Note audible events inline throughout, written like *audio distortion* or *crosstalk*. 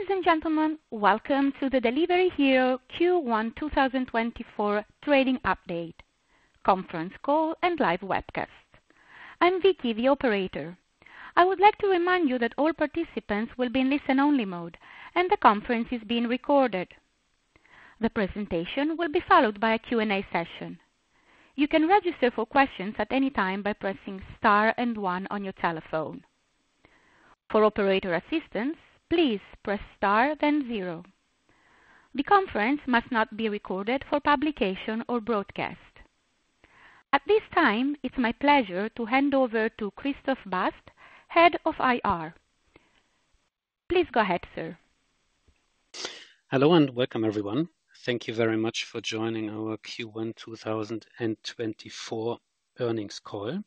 Ladies and gentlemen, welcome to the Delivery Hero Q1 2024 trading update, conference call, and live webcast. I'm Vicky, the operator. I would like to remind you that all participants will be in listen-only mode, and the conference is being recorded. The presentation will be followed by a Q&A session. You can register for questions at any time by pressing star and 1 on your telephone. For operator assistance, please press star, then 0. The conference must not be recorded for publication or broadcast. At this time, it's my pleasure to hand over to Christoph Bast, head of IR. Please go ahead, sir. Hello and welcome, everyone. Thank you very much for joining our Q1 2024 earnings call.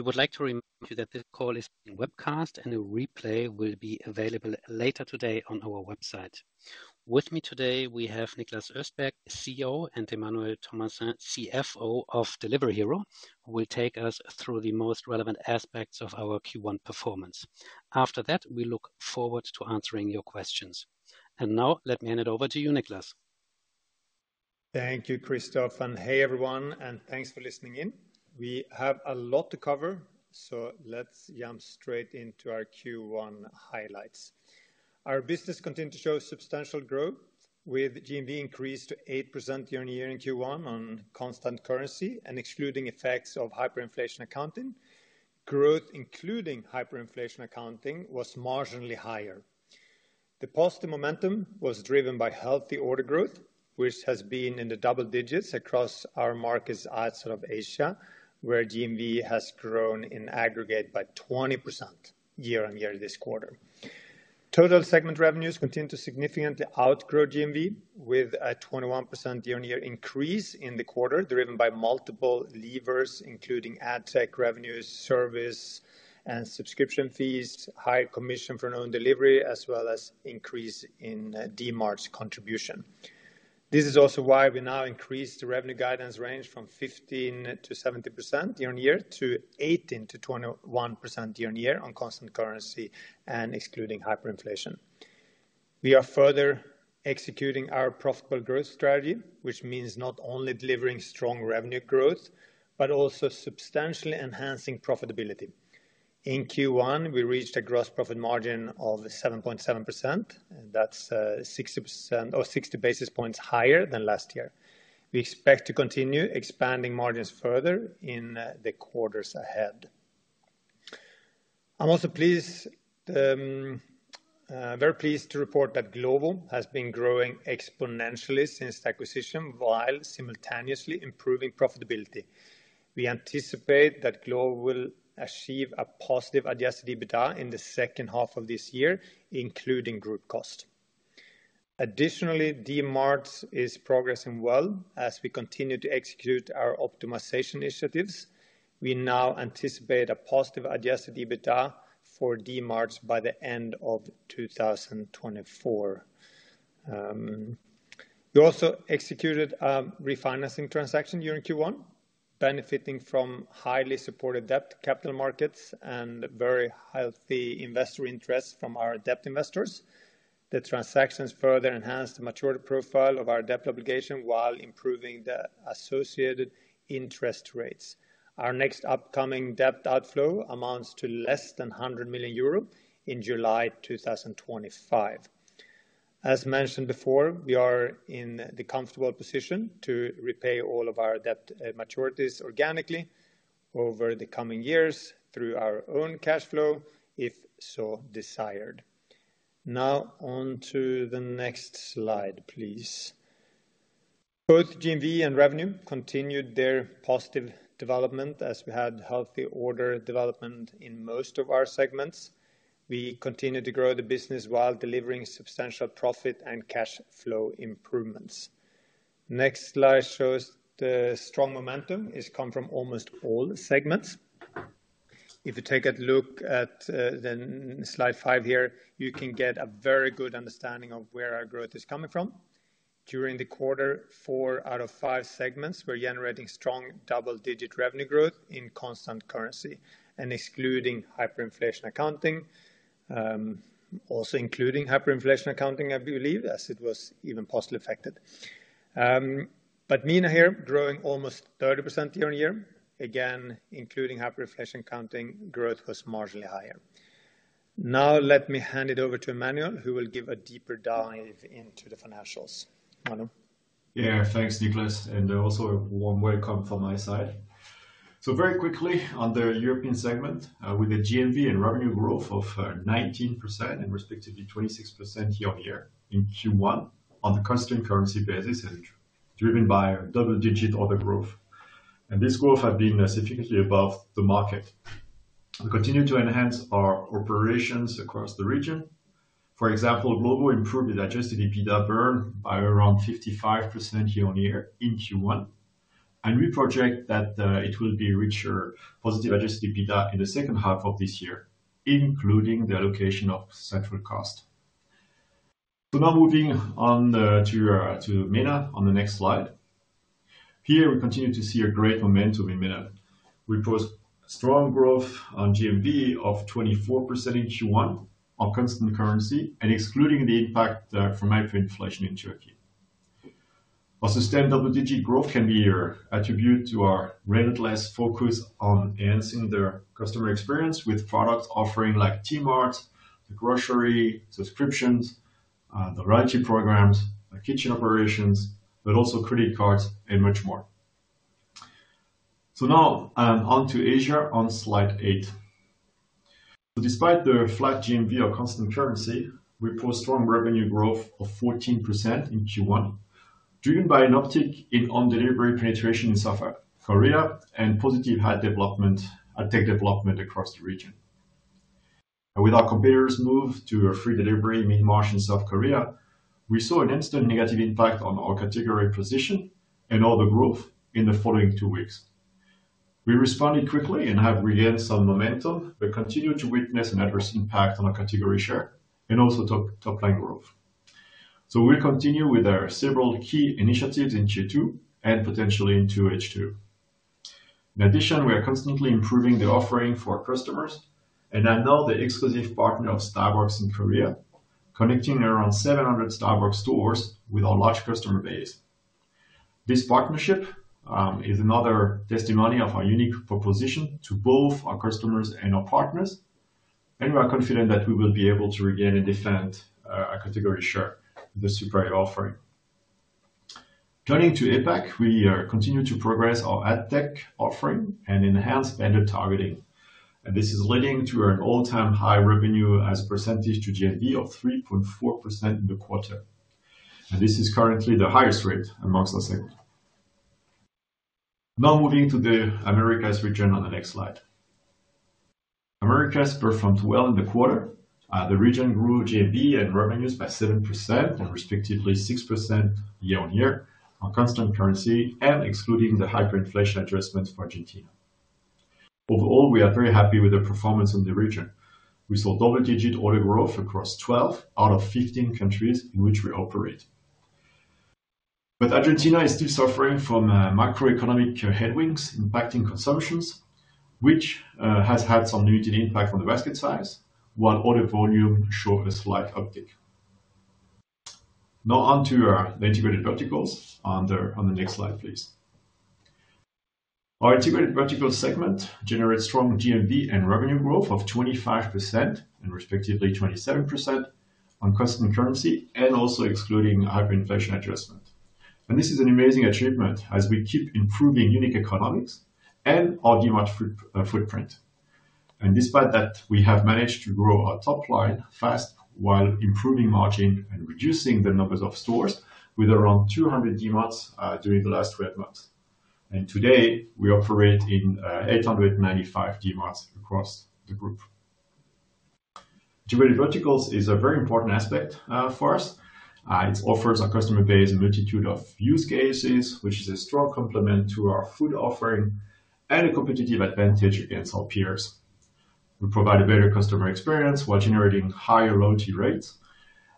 We would like to remind you that this call is being webcast, and a replay will be available later today on our website. With me today, we have Niklas Östberg, CEO, and Emmanuel Thomassin, CFO of Delivery Hero, who will take us through the most relevant aspects of our Q1 performance. After that, we look forward to answering your questions. And now, let me hand it over to you, Niklas. Thank you, Christoph. Hey, everyone, and thanks for listening in. We have a lot to cover, so let's jump straight into our Q1 highlights. Our business continued to show substantial growth, with GMV increased to 8% year-on-year in Q1 on constant currency and excluding effects of hyperinflation accounting. Growth including hyperinflation accounting was marginally higher. The positive momentum was driven by healthy order growth, which has been in the double digits across our markets outside of Asia, where GMV has grown in aggregate by 20% year-on-year this quarter. Total segment revenues continued to significantly outgrow GMV, with a 21% year-on-year increase in the quarter driven by multiple levers, including ad tech revenues, service and subscription fees, higher commission for own delivery, as well as increase in Dmart's contribution. This is also why we now increased the revenue guidance range from 15%-70% year-on-year to 18%-21% year-on-year on constant currency and excluding hyperinflation. We are further executing our profitable growth strategy, which means not only delivering strong revenue growth but also substantially enhancing profitability. In Q1, we reached a gross profit margin of 7.7%, and that's 60 basis points higher than last year. We expect to continue expanding margins further in the quarters ahead. I'm also very pleased to report that Glovo has been growing exponentially since the acquisition while simultaneously improving profitability. We anticipate that Glovo will achieve a positive Adjusted EBITDA in the second half of this year, including group cost. Additionally, Dmart is progressing well as we continue to execute our optimization initiatives. We now anticipate a positive Adjusted EBITDA for Dmart by the end of 2024. We also executed a refinancing transaction during Q1, benefiting from highly supported debt capital markets and very healthy investor interest from our debt investors. The transactions further enhanced the maturity profile of our debt obligation while improving the associated interest rates. Our next upcoming debt outflow amounts to less than 100 million euro in July 2025. As mentioned before, we are in the comfortable position to repay all of our debt maturities organically over the coming years through our own cash flow, if so desired. Now onto the next slide, please. Both GMV and revenue continued their positive development as we had healthy order development in most of our segments. We continue to grow the business while delivering substantial profit and cash flow improvements. Next slide shows the strong momentum has come from almost all segments. If you take a look at slide five here, you can get a very good understanding of where our growth is coming from. During the quarter, four out of five segments were generating strong double-digit revenue growth in constant currency and excluding hyperinflation accounting, also including hyperinflation accounting, I believe, as it was even positively affected. But MENA here, growing almost 30% year-on-year, again including hyperinflation accounting, growth was marginally higher. Now let me hand it over to Emmanuel, who will give a deeper dive into the financials. Emmanuel? Yeah, thanks, Niklas. And also a warm welcome from my side. So very quickly, on the European segment, we had GMV and revenue growth of 19% and respectively 26% year-over-year in Q1 on the constant currency basis and driven by double-digit order growth. And this growth has been significantly above the market. We continue to enhance our operations across the region. For example, Glovo improved its Adjusted EBITDA burn by around 55% year-over-year in Q1, and we project that it will be richer positive Adjusted EBITDA in the second half of this year, including the allocation of central cost. So now moving on to MENA on the next slide. Here, we continue to see a great momentum in MENA. We post strong growth on GMV of 24% in Q1 on constant currency and excluding the impact from hyperinflation in Turkey. A sustained double-digit growth can be attributed to our relentless focus on enhancing the customer experience with product offerings like tMart, the grocery subscriptions, the variety programs, kitchen operations, but also credit cards and much more. So now onto Asia on slide eight. So despite the flat GMV on constant currency, we post strong revenue growth of 14% in Q1 driven by an uptick in own-delivery penetration in South Korea and positive tech development across the region. And with our competitors' move to a free delivery mid-March in South Korea, we saw an instant negative impact on our category position and order growth in the following two weeks. We responded quickly and have regained some momentum but continue to witness an adverse impact on our category share and also top-line growth. So we'll continue with several key initiatives in Q2 and potentially into H2. In addition, we are constantly improving the offering for our customers, and I know the exclusive partner of Starbucks in Korea, connecting around 700 Starbucks stores with our large customer base. This partnership is another testimony of our unique proposition to both our customers and our partners, and we are confident that we will be able to regain and defend our category share with a superior offering. Turning to APAC, we continue to progress our ad tech offering and enhance vendor targeting. This is leading to an all-time high revenue as percentage to GMV of 3.4% in the quarter. This is currently the highest rate amongst our segment. Now moving to the Americas region on the next slide. Americas performed well in the quarter. The region grew GMV and revenues by 7% and, respectively, 6% year-over-year on constant currency and excluding the hyperinflation adjustment for Argentina. Overall, we are very happy with the performance in the region. We saw double-digit order growth across 12 out of 15 countries in which we operate. But Argentina is still suffering from macroeconomic headwinds impacting consumption, which has had some limited impact on the basket size, while order volume showed a slight uptick. Now onto the integrated verticals on the next slide, please. Our integrated verticals segment generated strong GMV and revenue growth of 25% and, respectively, 27% on constant currency and also excluding hyperinflation adjustment. This is an amazing achievement as we keep improving unique economics and our Dmart footprint. Despite that, we have managed to grow our top line fast while improving margin and reducing the numbers of stores with around 200 Dmarts during the last 12 months. Today, we operate in 895 Dmarts across the group. Integrated verticals is a very important aspect for us. It offers our customer base a multitude of use cases, which is a strong complement to our food offering and a competitive advantage against our peers. We provide a better customer experience while generating higher loyalty rates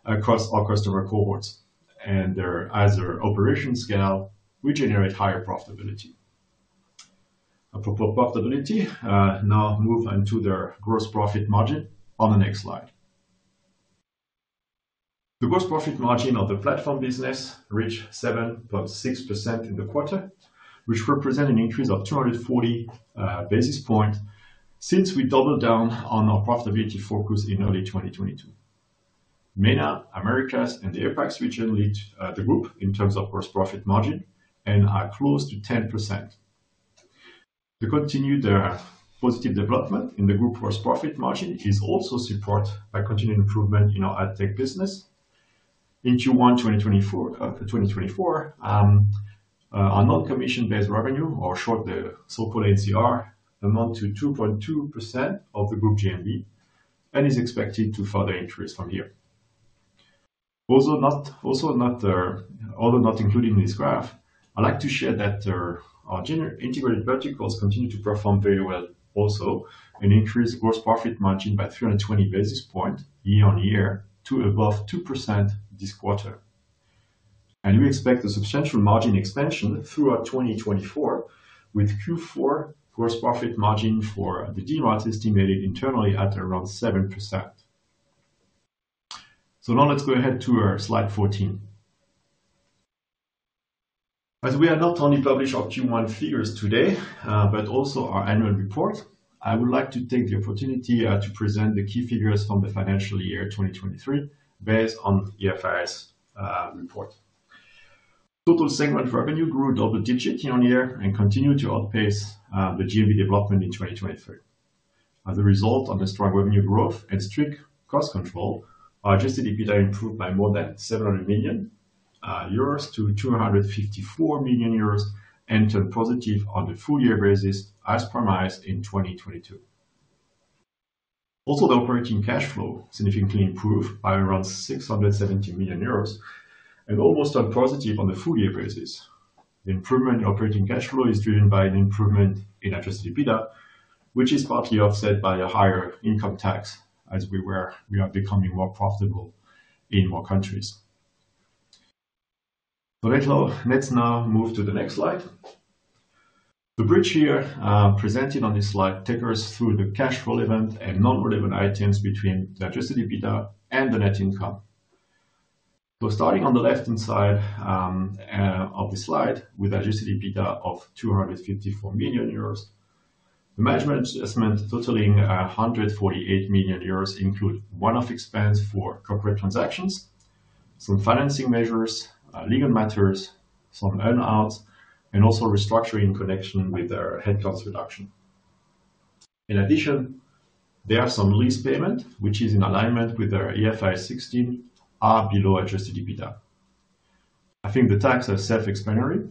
across our customer cohorts. As our operations scale, we generate higher profitability. Apropos profitability, now move onto the gross profit margin on the next slide. The gross profit margin of the platform business reached 7.6% in the quarter, which represents an increase of 240 basis points since we doubled down on our profitability focus in early 2022. MENA, Americas, and the APAC region lead the group in terms of gross profit margin and are close to 10%. To continue the positive development in the group, gross profit margin is also supported by continued improvement in our ad tech business. In Q1 2024, our non-commission-based revenue, or short, the so-called NCR, amounted to 2.2% of the group GMV and is expected to further increase from here. Also not including in this graph, I'd like to share that our integrated verticals continue to perform very well also and increase gross profit margin by 320 basis points year-over-year to above 2% this quarter. We expect a substantial margin expansion throughout 2024 with Q4 gross profit margin for the Dmart estimated internally at around 7%. Now let's go ahead to slide 14. As we are not only publishing our Q1 figures today but also our annual report, I would like to take the opportunity to present the key figures from the financial year 2023 based on the IFRS report. Total segment revenue grew double-digit year-over-year and continued to outpace the GMV development in 2023. As a result of the strong revenue growth and strict cost control, our Adjusted EBITDA improved by more than 700 million euros to 254 million euros and turned positive on the full-year basis as promised in 2022. Also, the operating cash flow significantly improved by around 670 million euros and almost turned positive on the full-year basis. The improvement in operating cash flow is driven by an improvement in Adjusted EBITDA, which is partly offset by a higher income tax as we are becoming more profitable in more countries. So let's now move to the next slide. The bridge here presented on this slide takes us through the cash-relevant and non-relevant items between the Adjusted EBITDA and the net income. So starting on the left-hand side of the slide with Adjusted EBITDA of 254 million euros, the management adjustment totaling 148 million euros includes one-off expense for corporate transactions, some financing measures, legal matters, some earnouts, and also restructuring in connection with their headcount reduction. In addition, there are some lease payments, which is in alignment with their IFRS 16, are below Adjusted EBITDA. I think the tax is self-explanatory,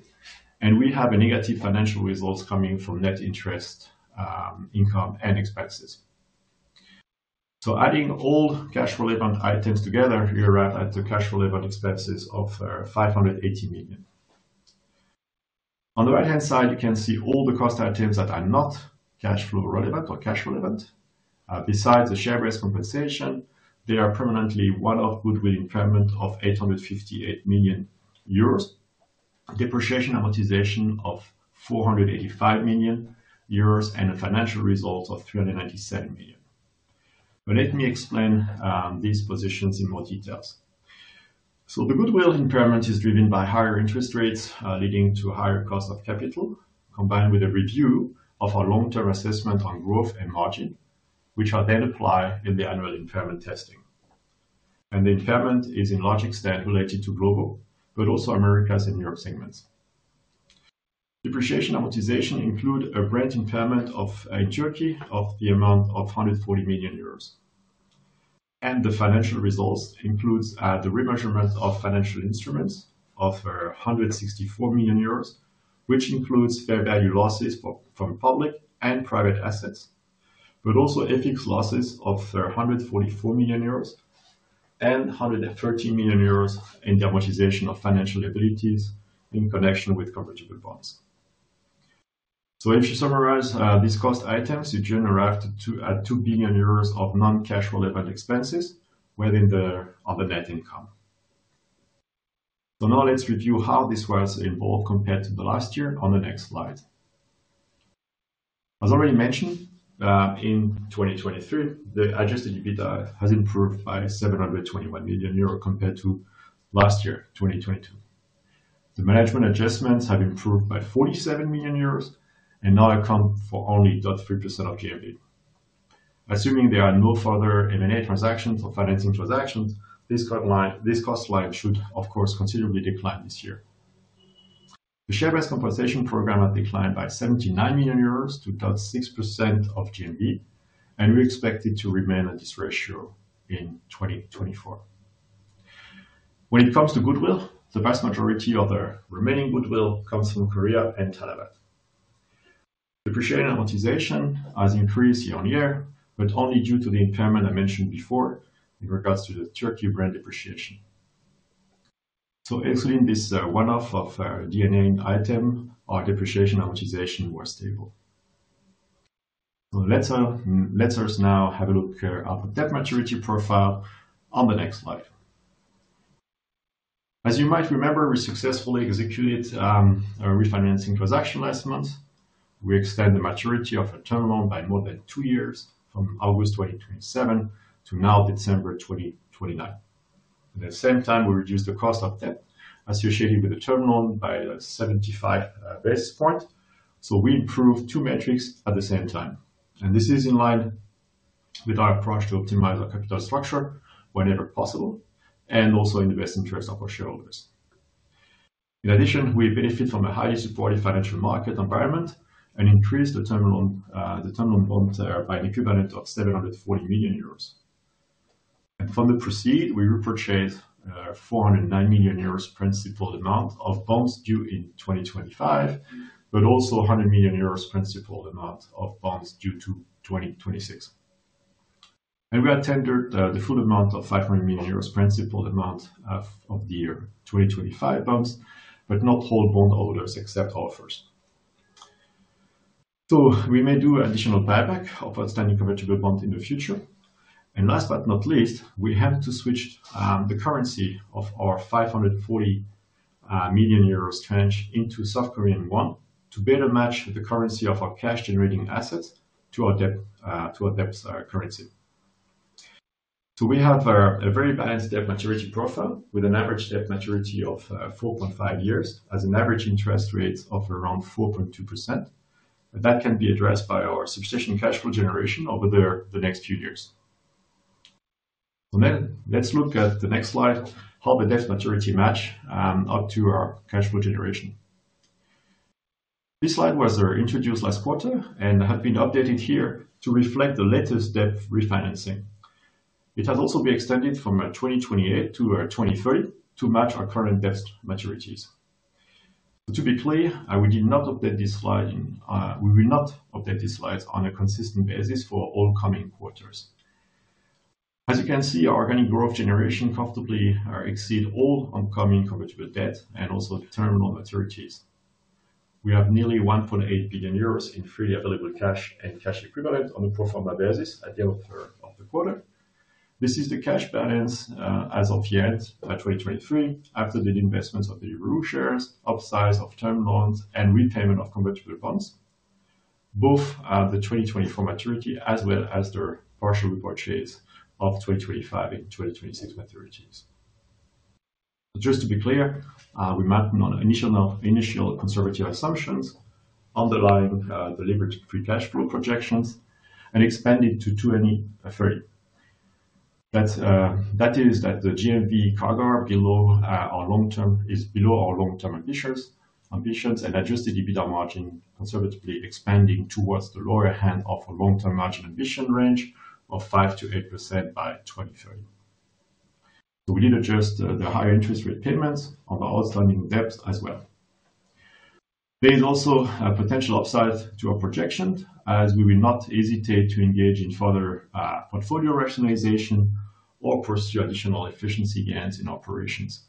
and we have negative financial results coming from net interest income and expenses. So adding all cash-relevant items together, we arrive at the cash-relevant expenses of 580 million. On the right-hand side, you can see all the cost items that are not cash flow relevant or cash-relevant. Besides the share-based compensation, there are permanently one-off goodwill impairment of 858 million euros, depreciation amortization of 485 million euros, and a financial result of 397 million. But let me explain these positions in more details. So the goodwill impairment is driven by higher interest rates leading to higher cost of capital combined with a review of our long-term assessment on growth and margin, which are then applied in the annual impairment testing. And the impairment is to a large extent related to Glovo but also Americas and Europe segments. Depreciation and amortization includes a brand impairment in Turkey of the amount of 140 million euros. And the financial results include the remeasurement of financial instruments of 164 million euros, which includes fair value losses from public and private assets but also equity losses of 144 million euros and 113 million euros in the amortization of financial liabilities in connection with convertible bonds. So if you summarize these cost items, you generally arrive at 2 billion euros of non-cash relevant expenses within the net income. So now let's review how this has evolved compared to the last year on the next slide. As already mentioned, in 2023, the Adjusted EBITDA has improved by 721 million euros compared to last year, 2022. The management adjustments have improved by 47 million euros and now account for only 0.3% of GMV. Assuming there are no further M&A transactions or financing transactions, this cost line should, of course, considerably decline this year. The share-based compensation program has declined by 79 million euros to 0.6% of GMV, and we expect it to remain at this ratio in 2024. When it comes to goodwill, the vast majority of the remaining goodwill comes from Korea and Talabat. Depreciation and amortization has increased year-on-year but only due to the impairment I mentioned before in regards to the Turkey brand depreciation. So excluding this one-off non-recurring item, our depreciation and amortization was stable. So let us now have a look at the debt maturity profile on the next slide. As you might remember, we successfully executed a refinancing transaction assessment. We extended the maturity of a term loan by more than two years from August 2027 to now December 2029. At the same time, we reduced the cost of debt associated with the term loan by 75 basis points. So we improved two metrics at the same time. And this is in line with our approach to optimize our capital structure whenever possible and also in the best interest of our shareholders. In addition, we benefit from a highly supportive financial market environment and increased the term loan bonds by an equivalent of 740 million euros. And from the proceeds, we repurchased a 409 million euros principal amount of bonds due in 2025 but also a 100 million euros principal amount of bonds due in 2026. We tendered the full amount of 500 million euros principal amount of the 2025 bonds but not all bondholders accepted offers. So we may do additional buyback of outstanding comparable bonds in the future. And last but not least, we have to switch the currency of our 540 million euros tranche into South Korean won to better match the currency of our cash-generating assets to our debt currency. So we have a very balanced debt maturity profile with an average debt maturity of 4.5 years and an average interest rate of around 4.2%. That can be addressed by our substantial cash flow generation over the next few years. So then let's look at the next slide, how the debt maturity matches up to our cash flow generation. This slide was introduced last quarter and has been updated here to reflect the latest debt refinancing. It has also been extended from 2028-2030 to match our current debt maturities. So to be clear, we did not update this slide; indeed, we will not update these slides on a consistent basis for all coming quarters. As you can see, our organic cash generation comfortably exceeds all incoming convertible debt and also term loan maturities. We have nearly 1.8 billion euros in freely available cash and cash equivalents on a pro forma basis at the end of the quarter. This is the cash balance as of the end of 2023 after the reinvestments of the EUR shares, upsize of term loans, and repayment of convertible bonds, both the 2024 maturity as well as the partial repurchase of 2025 and 2026 maturities. Just to be clear, we modeled on initial conservative assumptions underlying the levered free cash flow projections, and extended to 2030. That is, the GMV CAGR below our long-term is below our long-term ambitions and adjusted EBITDA margin conservatively expanding towards the lower end of a long-term margin ambition range of 5%-8% by 2030. We did adjust the higher interest rate payments on the outstanding debts as well. There is also a potential upside to our projection as we will not hesitate to engage in further portfolio rationalization or pursue additional efficiency gains in operations.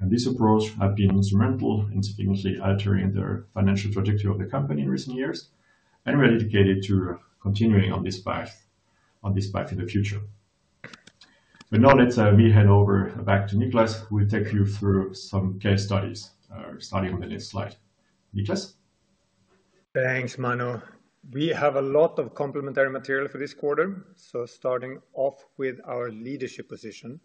This approach has been instrumental in significantly altering the financial trajectory of the company in recent years and we are dedicated to continuing on this path in the future. Now let me hand over back to Niklas. We'll take you through some case studies starting on the next slide. Niklas? Thanks, Manu. We have a lot of complementary material for this quarter. Starting off with our leadership position,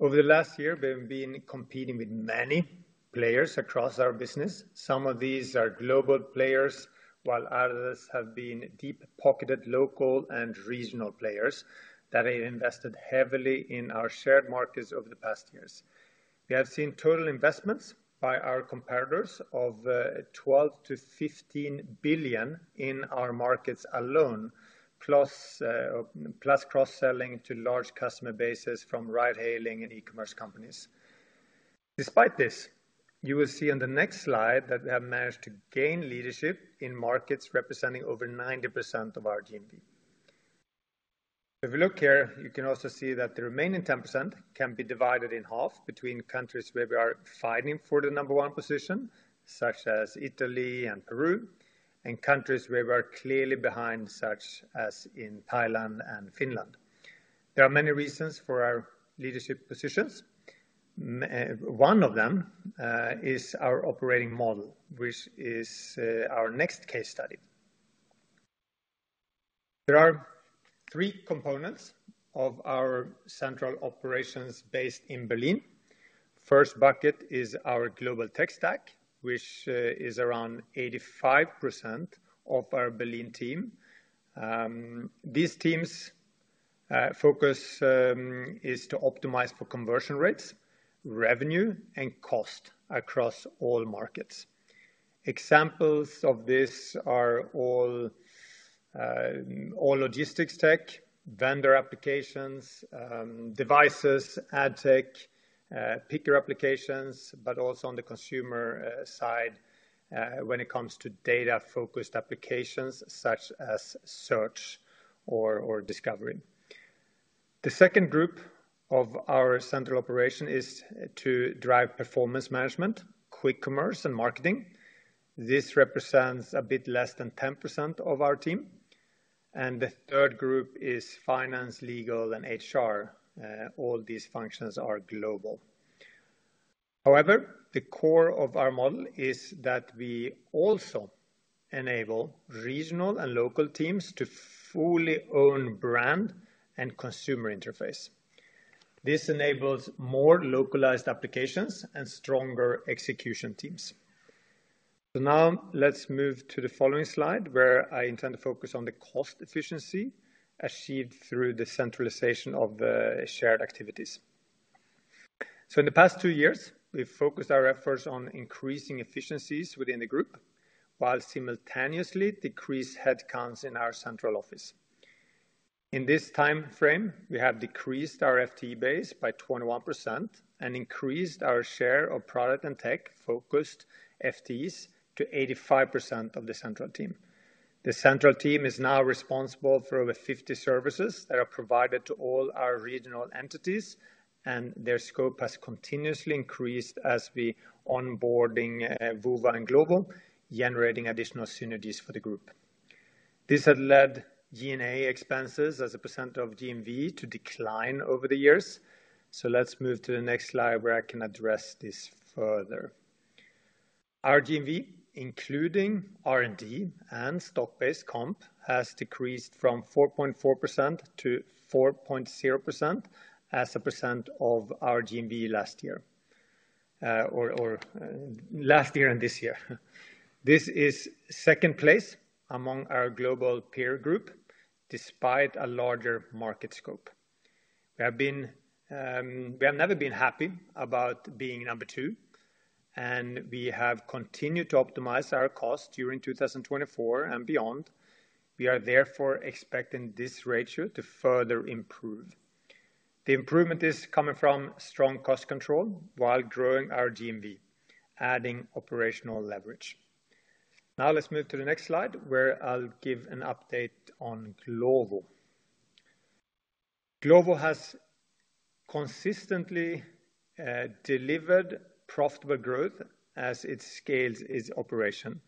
over the last year, we have been competing with many players across our business. Some of these are global players, while others have been deep-pocketed local and regional players that have invested heavily in our shared markets over the past years. We have seen total investments by our competitors of 12 billion-15 billion in our markets alone, plus cross-selling to large customer bases from ride-hailing and e-commerce companies. Despite this, you will see on the next slide that we have managed to gain leadership in markets representing over 90% of our GMV. If you look here, you can also see that the remaining 10% can be divided in half between countries where we are fighting for the number one position, such as Italy and Peru, and countries where we are clearly behind, such as in Thailand and Finland. There are many reasons for our leadership positions. One of them is our operating model, which is our next case study. There are three components of our central operations based in Berlin. First bucket is our global tech stack, which is around 85% of our Berlin team. These teams' focus is to optimize for conversion rates, revenue, and cost across all markets. Examples of this are all logistics tech, vendor applications, devices, ad tech, picker applications, but also on the consumer side when it comes to data-focused applications such as search or discovery. The second group of our central operation is to drive performance management, quick commerce, and marketing. This represents a bit less than 10% of our team. The third group is finance, legal, and HR. All these functions are global. However, the core of our model is that we also enable regional and local teams to fully own brand and consumer interface. This enables more localized applications and stronger execution teams. Now let's move to the following slide where I intend to focus on the cost efficiency achieved through the centralization of the shared activities. In the past two years, we've focused our efforts on increasing efficiencies within the group while simultaneously decreased headcounts in our central office. In this time frame, we have decreased our FTE base by 21% and increased our share of product and tech-focused FTEs to 85% of the central team. The central team is now responsible for over 50 services that are provided to all our regional entities, and their scope has continuously increased as we onboard Woowa and Glovo, generating additional synergies for the group. This has led G&A expenses as a percent of GMV to decline over the years. So let's move to the next slide where I can address this further. Our G&A, including R&D and stock-based comp, has decreased from 4.4%-4.0% as a percent of our GMV last year or last year and this year. This is second place among our global peer group despite a larger market scope. We have never been happy about being number two, and we have continued to optimize our cost during 2024 and beyond. We are therefore expecting this ratio to further improve. The improvement is coming from strong cost control while growing our GMV, adding operational leverage. Now let's move to the next slide where I'll give an update on Glovo. Glovo has consistently delivered profitable growth as it scales its operation.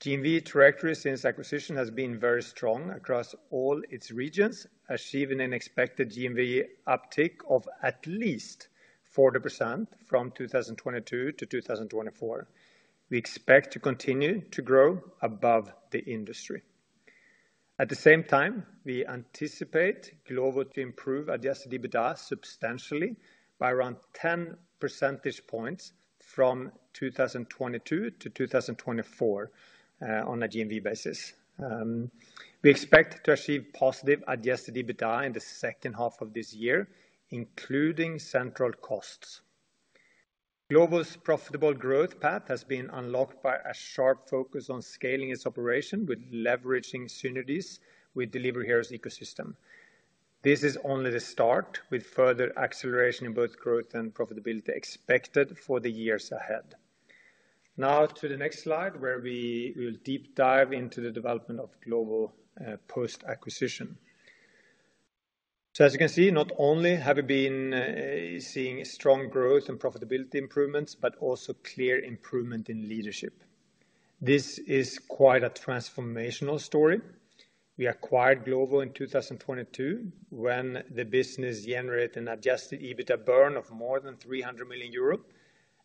GMV trajectory since acquisition has been very strong across all its regions, achieving an expected GMV uptick of at least 40% from 2022-2024. We expect to continue to grow above the industry. At the same time, we anticipate Glovo to improve Adjusted EBITDA substantially by around 10 percentage points from 2022-2024 on a GMV basis. We expect to achieve positive Adjusted EBITDA in the second half of this year, including central costs. Glovo's profitable growth path has been unlocked by a sharp focus on scaling its operation with leveraging synergies we deliver here as an ecosystem. This is only the start with further acceleration in both growth and profitability expected for the years ahead. Now to the next slide where we will deep dive into the development of Glovo post-acquisition. So as you can see, not only have we been seeing strong growth and profitability improvements but also clear improvement in leadership. This is quite a transformational story. We acquired Glovo in 2022 when the business generated an Adjusted EBITDA burn of more than 300 million euro,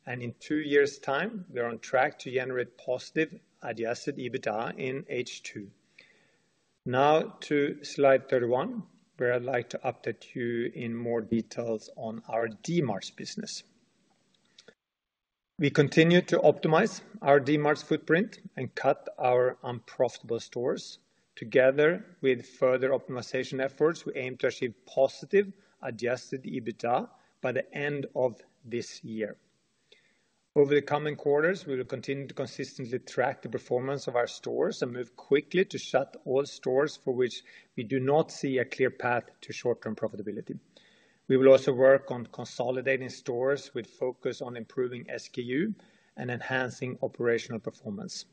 and in two years' time, we are on track to generate positive Adjusted EBITDA in H2. Now to slide 31 where I'd like to update you in more details on our Dmarts business. We continue to optimize our Dmarts footprint and cut our unprofitable stores. Together with further optimization efforts, we aim to achieve positive Adjusted EBITDA by the end of this year. Over the coming quarters, we will continue to consistently track the performance of our stores and move quickly to shut all stores for which we do not see a clear path to short-term profitability. We will also work on consolidating stores with focus on improving SKU and enhancing operational performance.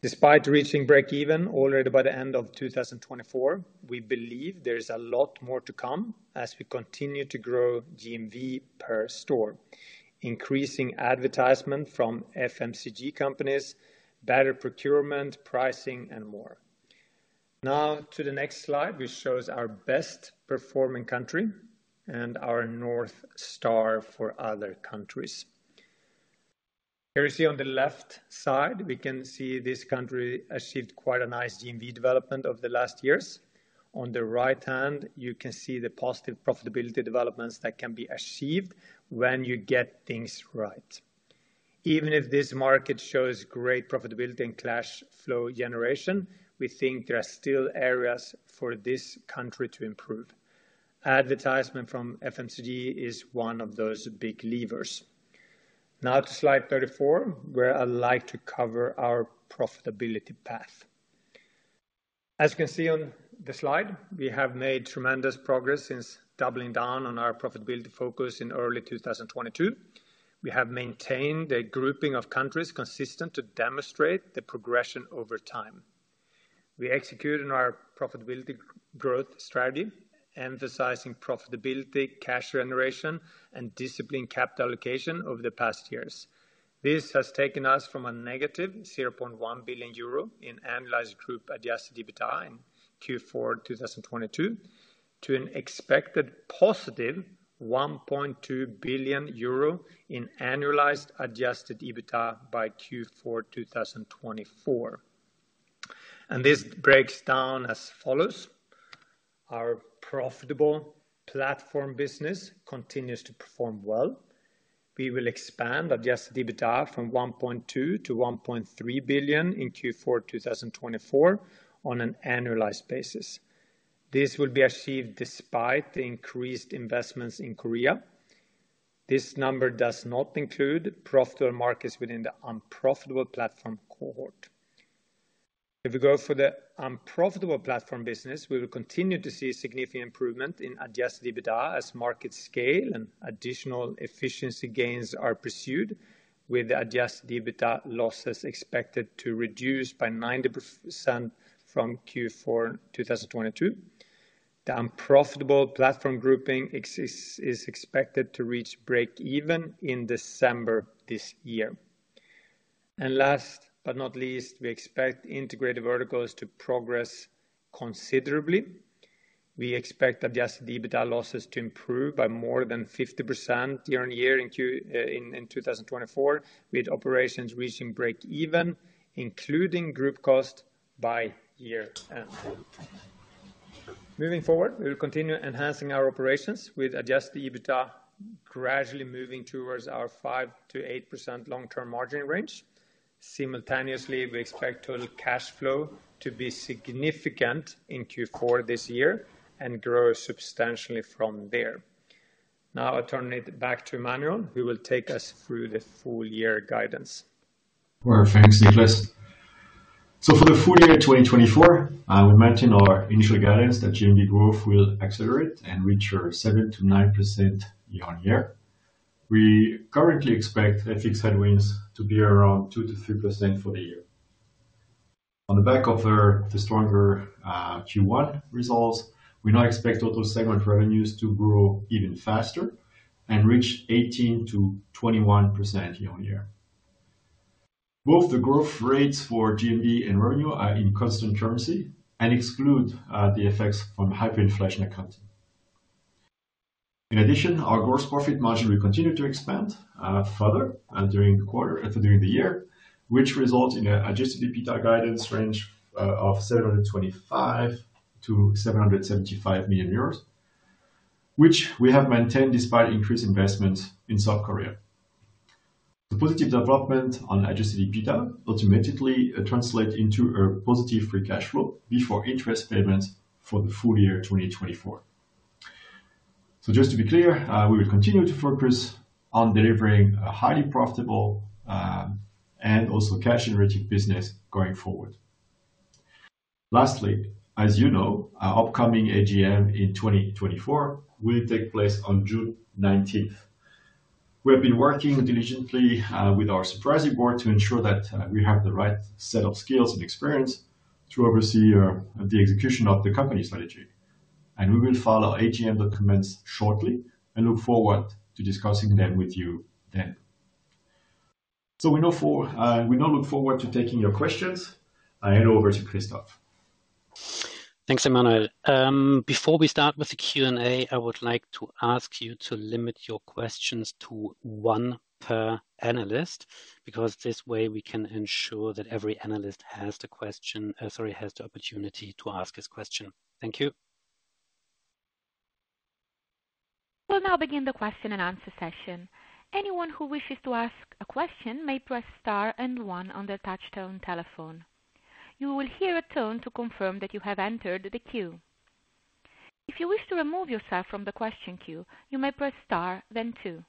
Despite reaching break-even already by the end of 2024, we believe there is a lot more to come as we continue to grow GMV per store, increasing advertisement from FMCG companies, better procurement, pricing, and more. Now to the next slide which shows our best-performing country and our North Star for other countries. Here you see on the left side, we can see this country achieved quite a nice GMV development over the last years. On the right hand, you can see the positive profitability developments that can be achieved when you get things right. Even if this market shows great profitability and cash flow generation, we think there are still areas for this country to improve. Advertisement from FMCG is one of those big levers. Now, to slide 34, where I'd like to cover our profitability path. As you can see on the slide, we have made tremendous progress since doubling down on our profitability focus in early 2022. We have maintained a grouping of countries consistent to demonstrate the progression over time. We executed our profitability growth strategy emphasizing profitability, cash generation, and disciplined capital allocation over the past years. This has taken us from a negative 0.1 billion euro in annualized group adjusted EBITDA in Q4 2022 to an expected positive 1.2 billion euro in annualized adjusted EBITDA by Q4 2024. This breaks down as follows. Our profitable platform business continues to perform well. We will expand adjusted EBITDA from 1.2 billion-1.3 billion in Q4 2024 on an annualized basis. This will be achieved despite the increased investments in Korea. This number does not include profitable markets within the unprofitable platform cohort. If we go for the unprofitable platform business, we will continue to see significant improvement in adjusted EBITDA as markets scale and additional efficiency gains are pursued, with the adjusted EBITDA losses expected to reduce by 90% from Q4 2022. The unprofitable platform grouping is expected to reach break-even in December this year. And last but not least, we expect integrated verticals to progress considerably. We expect adjusted EBITDA losses to improve by more than 50% year-on-year in 2024, with operations reaching break-even, including group cost by year-end. Moving forward, we will continue enhancing our operations with Adjusted EBITDA gradually moving towards our 5%-8% long-term margin range. Simultaneously, we expect total cash flow to be significant in Q4 this year and grow substantially from there. Now I turn it back to Emmanuel, who will take us through the full-year guidance. Thanks, Niklas. So for the full year 2024, we mentioned our initial guidance that GMV growth will accelerate and reach 7%-9% year-on-year. We currently expect FX headwinds to be around 2%-3% for the year. On the back of the stronger Q1 results, we now expect total segment revenues to grow even faster and reach 18%-21% year-on-year. Both the growth rates for GMV and revenue are in constant currency and exclude the effects from hyperinflation accounting. In addition, our gross profit margin will continue to expand further during the year, which results in an adjusted EBITDA guidance range of 725 million-775 million euros, which we have maintained despite increased investments in South Korea. The positive development on adjusted EBITDA ultimately translates into a positive free cash flow before interest payments for the full year 2024. So just to be clear, we will continue to focus on delivering a highly profitable and also cash-generating business going forward. Lastly, as you know, our upcoming AGM in 2024 will take place on June 19th. We have been working diligently with our supervisory board to ensure that we have the right set of skills and experience to oversee the execution of the company strategy. We will file our AGM documents shortly and look forward to discussing them with you then. So we now look forward to taking your questions. I hand over to Christoph. Thanks, Emmanuel. Before we start with the Q&A, I would like to ask you to limit your questions to one per analyst because this way we can ensure that every analyst has the opportunity to ask his question. Thank you. We'll now begin the question and answer session. Anyone who wishes to ask a question may press star and one on their touchstone telephone. You will hear a tone to confirm that you have entered the queue. If you wish to remove yourself from the question queue, you may press star, then two.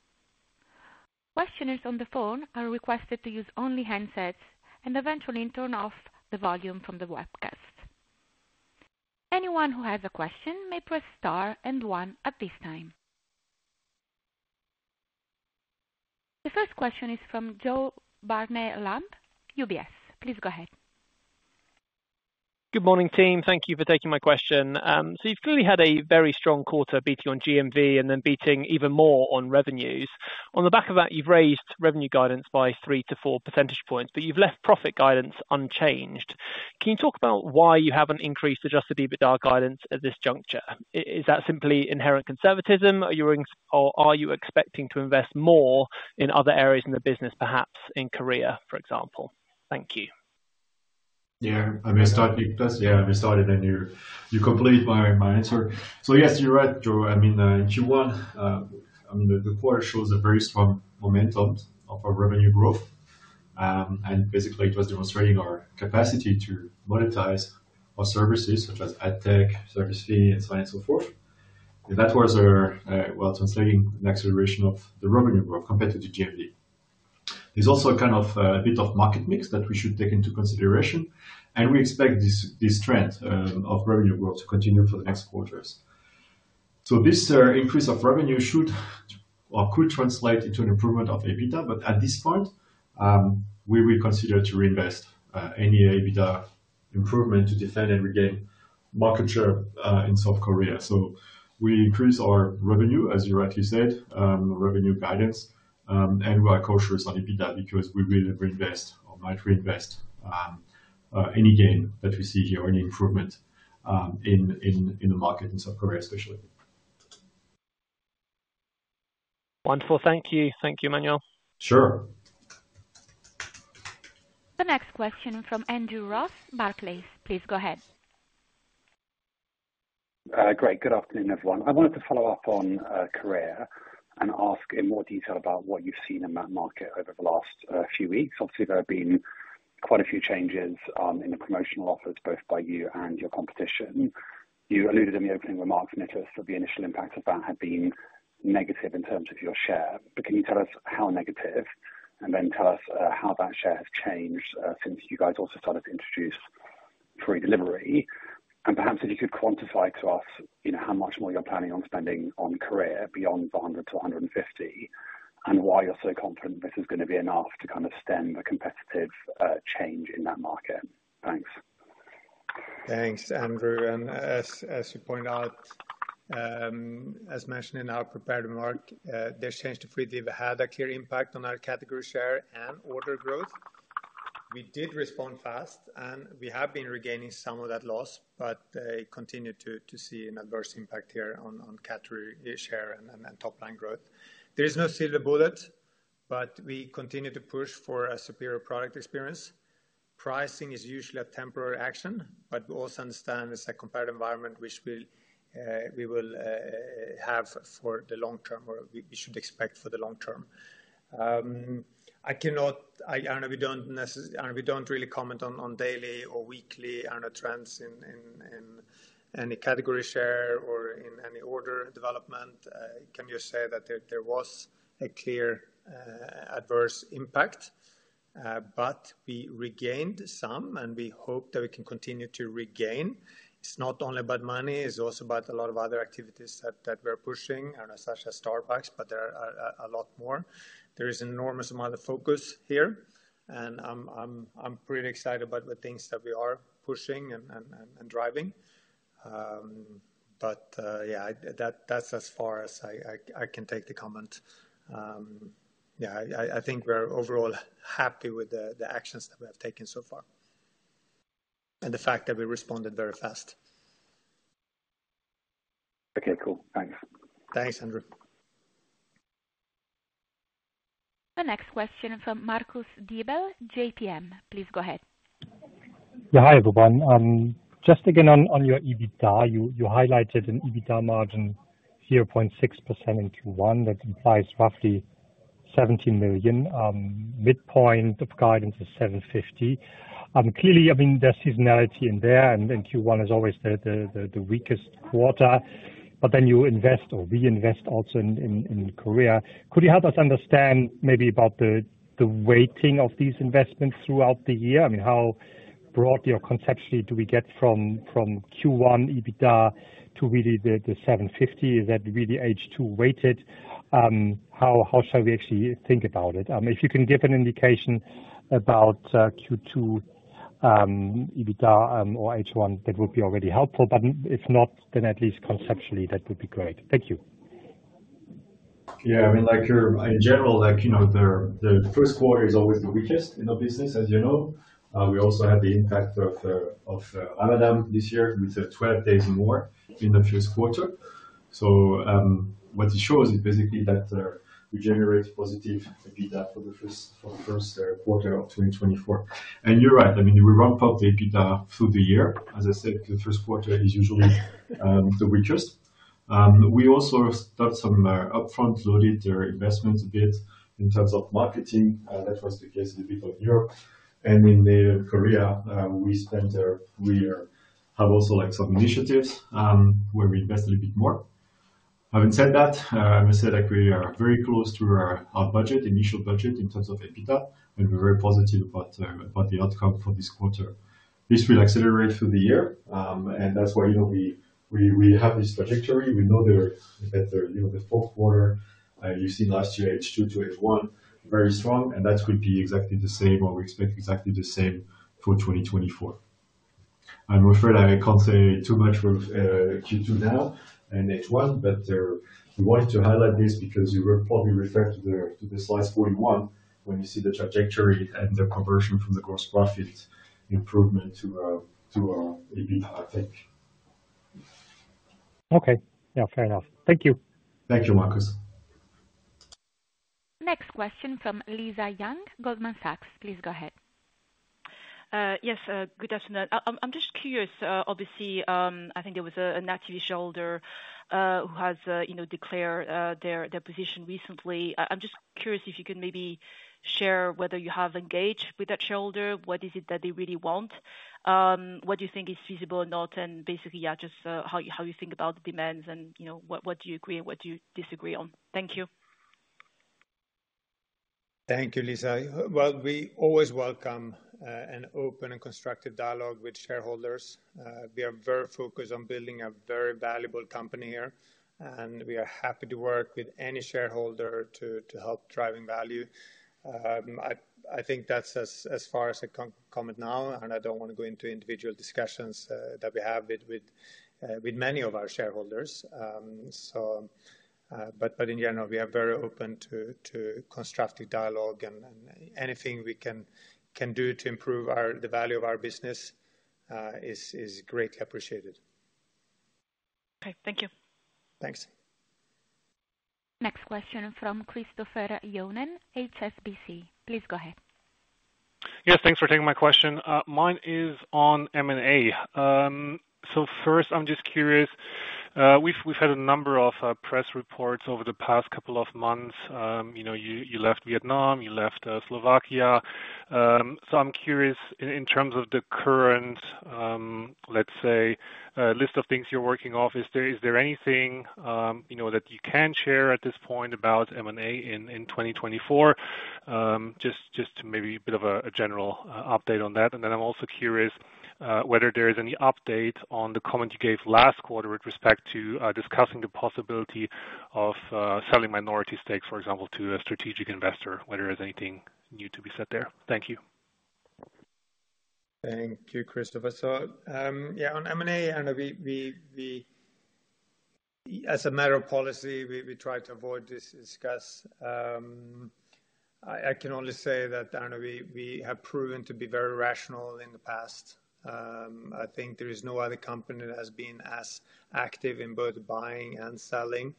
Questioners on the phone are requested to use only handsets and eventually turn off the volume from the webcast. Anyone who has a question may press star and one at this time. The first question is from Joe Barnet-Lamb, UBS. Please go ahead. Good morning, team. Thank you for taking my question. So you've clearly had a very strong quarter beating on GMV and then beating even more on revenues. On the back of that, you've raised revenue guidance by 3%-4% points, but you've left profit guidance unchanged. Can you talk about why you haven't increased Adjusted EBITDA guidance at this juncture? Is that simply inherent conservatism, or are you expecting to invest more in other areas in the business, perhaps in Korea, for example? Thank you. Yeah. I may start, Niklas. Yeah, I may start, and then you complete my answer. So yes, you're right, Joe. I mean, in Q1, I mean, the quarter shows a very strong momentum of our revenue growth. Basically, it was demonstrating our capacity to monetize our services such as ad tech, service fee, and so on and so forth. That was, well, translating an acceleration of the revenue growth compared to the GMV. There's also a kind of a bit of market mix that we should take into consideration. We expect this trend of revenue growth to continue for the next quarters. So this increase of revenue should or could translate into an improvement of EBITDA, but at this point, we will consider to reinvest any EBITDA improvement to defend and regain market share in South Korea. We increase our revenue, as you rightly said, revenue guidance, and we are cautious on EBITDA because we will reinvest or might reinvest any gain that we see here or any improvement in the market in South Korea, especially. Wonderful. Thank you. Thank you, Emmanuel. Sure. The next question from Andrew Ross, Barclays. Please go ahead. Great. Good afternoon, everyone. I wanted to follow up on Korea and ask in more detail about what you've seen in that market over the last few weeks. Obviously, there have been quite a few changes in the promotional offers both by you and your competition. You alluded in the opening remarks, Niklas, that the initial impact of that had been negative in terms of your share. But can you tell us how negative and then tell us how that share has changed since you guys also started to introduce free delivery? And perhaps if you could quantify to us how much more you're planning on spending on Korea beyond the 100-150 and why you're so confident this is going to be enough to kind of stem a competitive change in that market. Thanks. Thanks, Andrew. And as you point out, as mentioned in our prepared remark, this change to free delivery had a clear impact on our category share and order growth. We did respond fast, and we have been regaining some of that loss, but I continue to see an adverse impact here on category share and top-line growth. There is no silver bullet, but we continue to push for a superior product experience. Pricing is usually a temporary action, but we also understand it's a competitive environment which we will have for the long term or we should expect for the long term. I don't know. We don't really comment on daily or weekly, I don't know, trends in any category share or in any order development. Can you say that there was a clear adverse impact? But we regained some, and we hope that we can continue to regain. It's not only about money. It's also about a lot of other activities that we're pushing, such as Starbucks, but there are a lot more. There is an enormous amount of focus here, and I'm pretty excited about the things that we are pushing and driving. But yeah, that's as far as I can take the comment. Yeah, I think we're overall happy with the actions that we have taken so far and the fact that we responded very fast. Okay. Cool. Thanks. Thanks, Andrew. The next question from Marcus Diebel, JPM. Please go ahead. Yeah. Hi, everyone. Just again, on your EBITDA, you highlighted an EBITDA margin of 0.6% in Q1. That implies roughly 17 million. Midpoint of guidance is 750 million. Clearly, I mean, there's seasonality in there, and Q1 is always the weakest quarter. But then you invest or reinvest also in Korea. Could you help us understand maybe about the weighting of these investments throughout the year? I mean, how broadly or conceptually do we get from Q1 EBITDA to really the 750 million? Is that really H2 weighted? How shall we actually think about it? If you can give an indication about Q2 EBITDA or H1, that would be already helpful. But if not, then at least conceptually, that would be great. Thank you. Yeah. I mean, in general, the first quarter is always the weakest in our business, as you know. We also had the impact of Ramadan this year with 12 days more in the first quarter. So what it shows is basically that we generate positive EBITDA for the first quarter of 2024. And you're right. I mean, we ramp up the EBITDA through the year. As I said, the first quarter is usually the weakest. We also start some upfront loaded investments a bit in terms of marketing. That was the case a little bit of Europe. And in Korea, we have also some initiatives where we invest a little bit more. Having said that, I must say that we are very close to our initial budget in terms of EBITDA, and we're very positive about the outcome for this quarter. This will accelerate through the year, and that's why we have this trajectory. We know that the fourth quarter you've seen last year, H2-H1, very strong, and that will be exactly the same, or we expect exactly the same for 2024. I'm afraid I can't say too much with Q2 now and H1, but we wanted to highlight this because you will probably refer to the slides 41 when you see the trajectory and the conversion from the gross profit improvement to EBITDA, I think. Okay. Yeah. Fair enough. Thank you. Thank you, Marcus. Next question from Lisa Yang, Goldman Sachs. Please go ahead. Yes. Good afternoon. I'm just curious. Obviously, I think there was an activist shareholder who has declared their position recently. I'm just curious if you can maybe share whether you have engaged with that shareholder. What is it that they really want? What do you think is feasible or not? And basically, yeah, just how you think about the demands and what do you agree and what do you disagree on. Thank you. Thank you, Lisa. Well, we always welcome an open and constructive dialogue with shareholders. We are very focused on building a very valuable company here, and we are happy to work with any shareholder to help driving value. I think that's as far as I can comment now, and I don't want to go into individual discussions that we have with many of our shareholders. But in general, we are very open to constructive dialogue, and anything we can do to improve the value of our business is greatly appreciated. Okay. Thank you. Thanks. Next question from Christopher Johnen, HSBC. Please go ahead. Yes. Thanks for taking my question. Mine is on M&A. So first, I'm just curious. We've had a number of press reports over the past couple of months. You left Vietnam. You left Slovakia. So I'm curious, in terms of the current, let's say, list of things you're working off, is there anything that you can share at this point about M&A in 2024? Just maybe a bit of a general update on that. And then I'm also curious whether there is any update on the comment you gave last quarter with respect to discussing the possibility of selling minority stakes, for example, to a strategic investor, whether there's anything new to be said there. Thank you. Thank you, Christopher. So yeah, on M&A, I don't know. As a matter of policy, we try to avoid this discussion. I can only say that, I don't know, we have proven to be very rational in the past. I think there is no other company that has been as active in both buying and selling.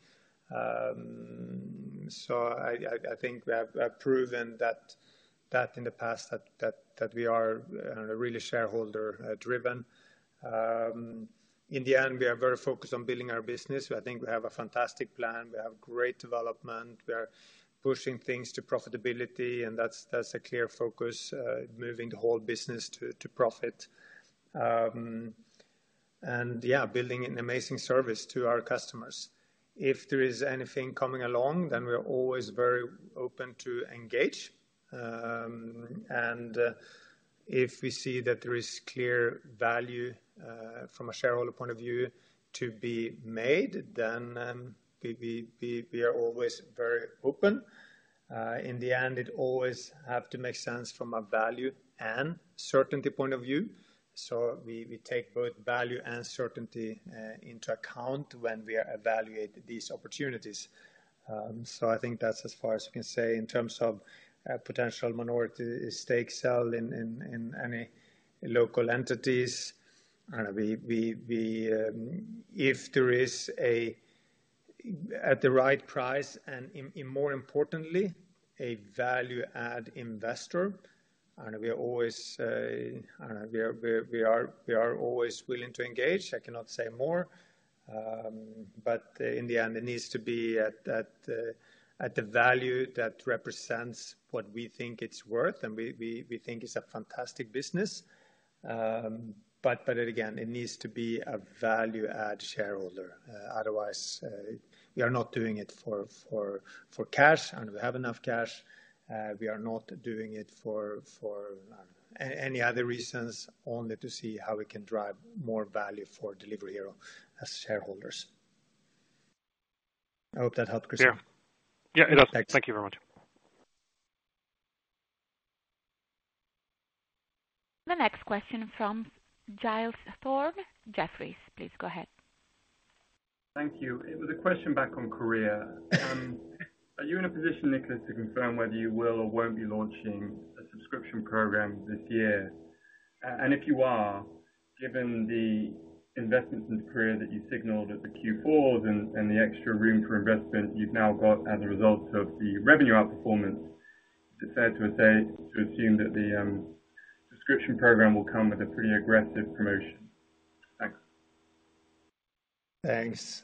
So I think we have proven that in the past that we are really shareholder-driven. In the end, we are very focused on building our business. I think we have a fantastic plan. We have great development. We are pushing things to profitability, and that's a clear focus, moving the whole business to profit and, yeah, building an amazing service to our customers. If there is anything coming along, then we are always very open to engage. And if we see that there is clear value from a shareholder point of view to be made, then we are always very open. In the end, it always has to make sense from a value and certainty point of view. So we take both value and certainty into account when we evaluate these opportunities. So I think that's as far as we can say in terms of potential minority stake sell in any local entities. I don't know. If there is a, at the right price and, more importantly, a value-add investor, I don't know, we are always I don't know. We are always willing to engage. I cannot say more. But in the end, it needs to be at the value that represents what we think it's worth, and we think it's a fantastic business. But again, it needs to be a value-add shareholder. Otherwise, we are not doing it for cash. I don't know. We have enough cash. We are not doing it for any other reasons, only to see how we can drive more value for Delivery Hero as shareholders. I hope that helped, Christopher. Yeah. Yeah, it does. Thank you very much. The next question from Giles Thorne, Jefferies. Please go ahead. Thank you. It was a question back on Korea. Are you in a position, Niklas, to confirm whether you will or won't be launching a subscription program this year? And if you are, given the investments in Korea that you signaled at the Q4s and the extra room for investment you've now got as a result of the revenue outperformance, is it fair to assume that the subscription program will come with a pretty aggressive promotion? Thanks. Thanks.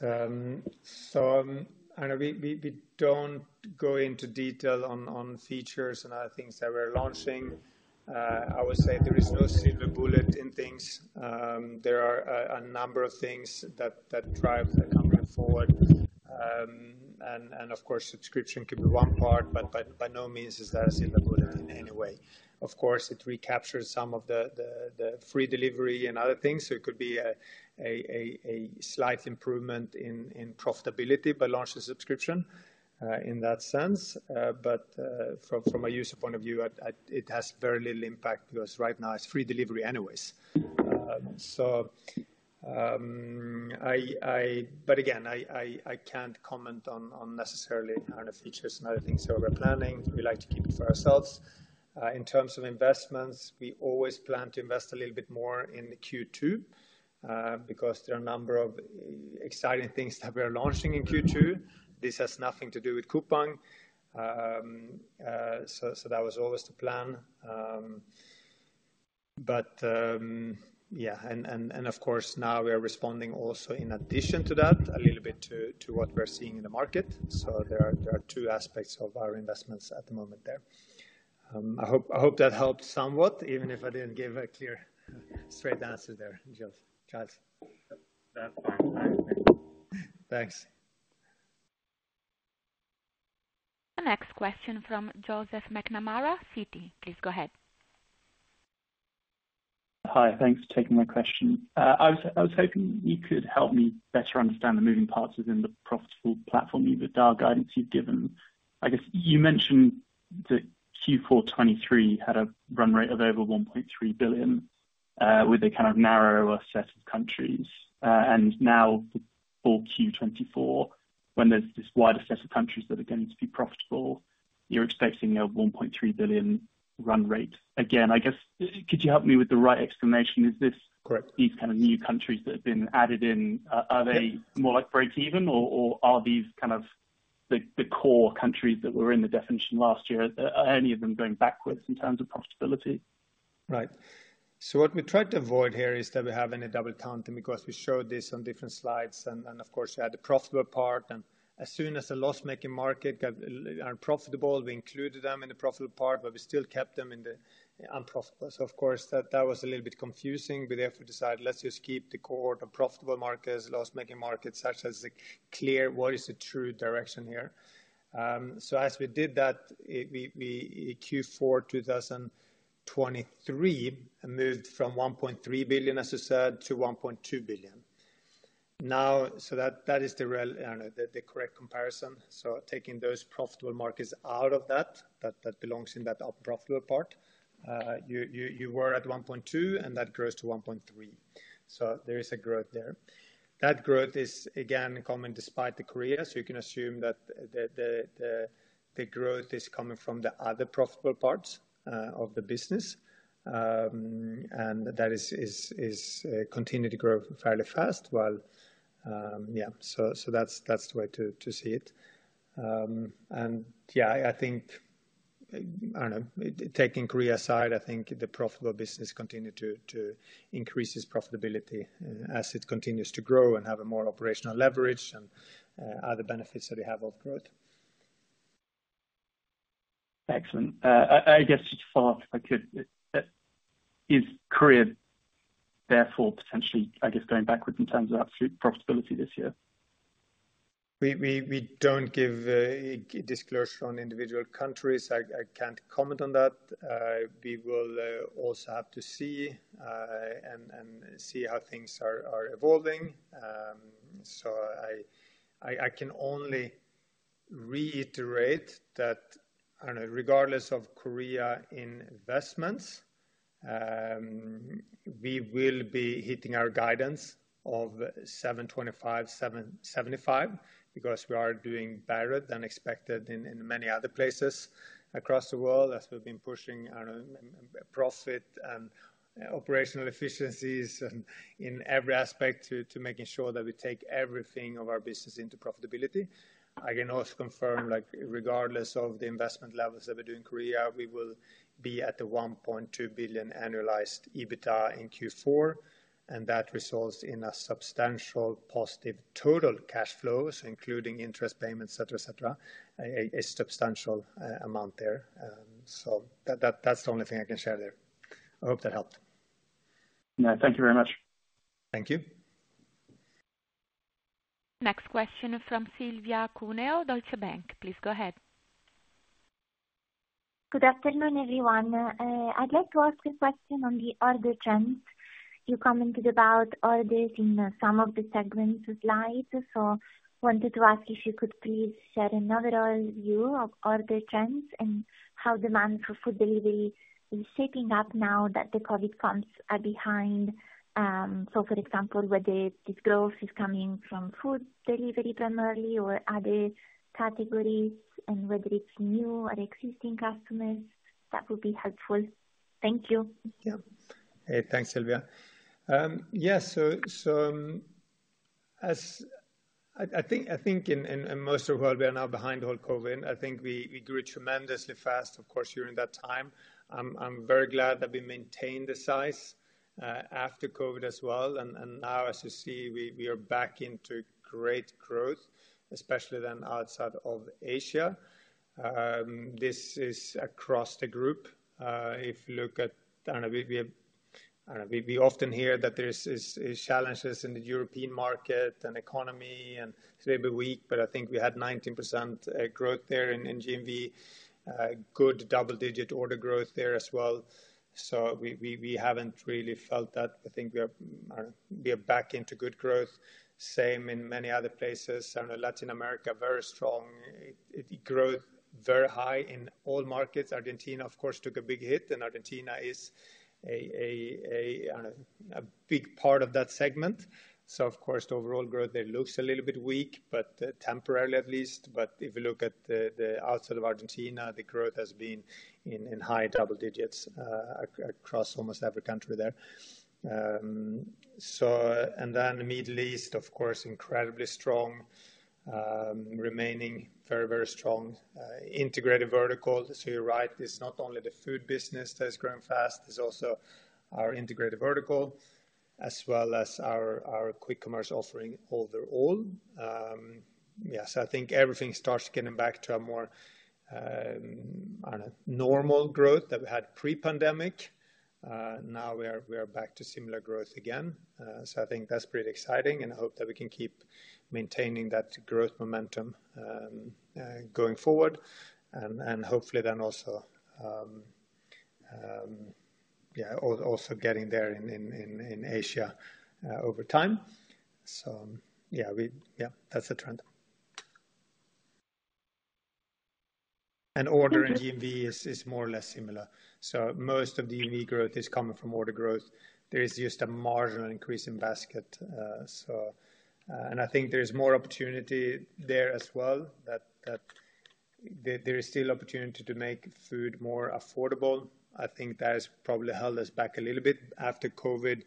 So I don't know. We don't go into detail on features and other things that we're launching. I would say there is no silver bullet in things. There are a number of things that drive the company forward. And of course, subscription could be one part, but by no means is that a silver bullet in any way. Of course, it recaptures some of the free delivery and other things. So it could be a slight improvement in profitability by launching subscription in that sense. But from a user point of view, it has very little impact because right now, it's free delivery anyways. But again, I can't comment on necessarily features and other things that we're planning. We like to keep it for ourselves. In terms of investments, we always plan to invest a little bit more in Q2 because there are a number of exciting things that we are launching in Q2. This has nothing to do with coupons. So that was always the plan. But yeah. And of course, now we are responding also in addition to that, a little bit to what we're seeing in the market. So there are two aspects of our investments at the moment there. I hope that helped somewhat, even if I didn't give a clear, straight answer there, Giles. That's fine. Thanks. Thanks. The next question from Joseph McNamara, Citi. Please go ahead. Hi. Thanks for taking my question. I was hoping you could help me better understand the moving parts within the profitable platform EBITDA guidance you've given. I guess you mentioned that Q4 2023 had a run rate of over 1.3 billion with a kind of narrower set of countries. And now for Q2 2024, when there's this wider set of countries that are going to be profitable, you're expecting a 1.3 billion run rate. Again, I guess, could you help me with the right explanation? Correct. These kind of new countries that have been added in, are they more like break-even, or are these kind of the core countries that were in the definition last year, any of them going backwards in terms of profitability? Right. So what we tried to avoid here is that we have any double counting because we showed this on different slides. Of course, you had the profitable part. As soon as the loss-making markets got unprofitable, we included them in the profitable part, but we still kept them in the unprofitable. So of course, that was a little bit confusing. We therefore decided, "Let's just keep the core of profitable markets, loss-making markets, such as clear what is the true direction here." So as we did that, Q4 2023 moved from 1.3 billion, as you said, to 1.2 billion. So that is the correct comparison. So taking those profitable markets out of that, that belongs in that unprofitable part, you were at 1.2 billion, and that grows to 1.3 billion. So there is a growth there. That growth is, again, coming despite the Korea. So you can assume that the growth is coming from the other profitable parts of the business. And that continued to grow fairly fast. Yeah. So that's the way to see it. And yeah, I think, I don't know, taking Korea aside, I think the profitable business continued to increase its profitability as it continues to grow and have more operational leverage and other benefits that we have of growth. Excellent. I guess just to follow up if I could, *audio distortion* is Korea therefore potentially, I guess, going backwards in terms of absolute profitability this year? We don't give disclosure on individual countries. I can't comment on that. We will also have to see and see how things are evolving. So I can only reiterate that, I don't know, regardless of Korea investments, we will be hitting our guidance of 725 million-775 million because we are doing better than expected in many other places across the world as we've been pushing profit and operational efficiencies in every aspect to making sure that we take everything of our business into profitability. I can also confirm, regardless of the investment levels that we do in Korea, we will be at the 1.2 billion annualized EBITDA in Q4, and that results in a substantial positive total cash flow, so including interest payments, etc., etc., a substantial amount there. So that's the only thing I can share there. I hope that helped. Yeah. Thank you very much. Thank you. Next question from Silvia Cuneo, Deutsche Bank. Please go ahead. Good afternoon, everyone. I'd like to ask a question on the order trends. You commented about orders in some of the segments of slides, so wanted to ask if you could please share an overall view of order trends and how demand for food delivery is shaping up now that the COVID comps are behind. So, for example, whether this growth is coming from food delivery primarily or other categories and whether it's new or existing customers, that would be helpful. Thank you. Yeah. Thanks, Silvia. Yeah. So I think in most of the world, we are now behind all COVID. I think we grew tremendously fast, of course, during that time. I'm very glad that we maintained the size after COVID as well. And now, as you see, we are back into great growth, especially then outside of Asia. This is across the group. If you look at, I don't know, we often hear that there are challenges in the European market and economy. It's a little bit weak, but I think we had 19% growth there in GMV, good double-digit order growth there as well. So we haven't really felt that. I think we are back into good growth, same in many other places. I don't know, Latin America, very strong growth, very high in all markets. Argentina, of course, took a big hit, and Argentina is a big part of that segment. So, of course, the overall growth there looks a little bit weak, but temporarily at least. But if you look at the outside of Argentina, the growth has been in high double digits across almost every country there. And then the Middle East, of course, incredibly strong, remaining very, very strong, integrated vertical. So you're right. It's not only the food business that is growing fast. It's also our integrated vertical as well as our quick-commerce offering overall. Yeah. So I think everything starts getting back to a more, I don't know, normal growth that we had pre-pandemic. Now, we are back to similar growth again. So I think that's pretty exciting, and I hope that we can keep maintaining that growth momentum going forward and hopefully then also, yeah, also getting there in Asia over time. So yeah, that's a trend. And order in GMV is more or less similar. So most of the GMV growth is coming from order growth. There is just a marginal increase in basket. And I think there is more opportunity there as well that there is still opportunity to make food more affordable. I think that has probably held us back a little bit. After COVID,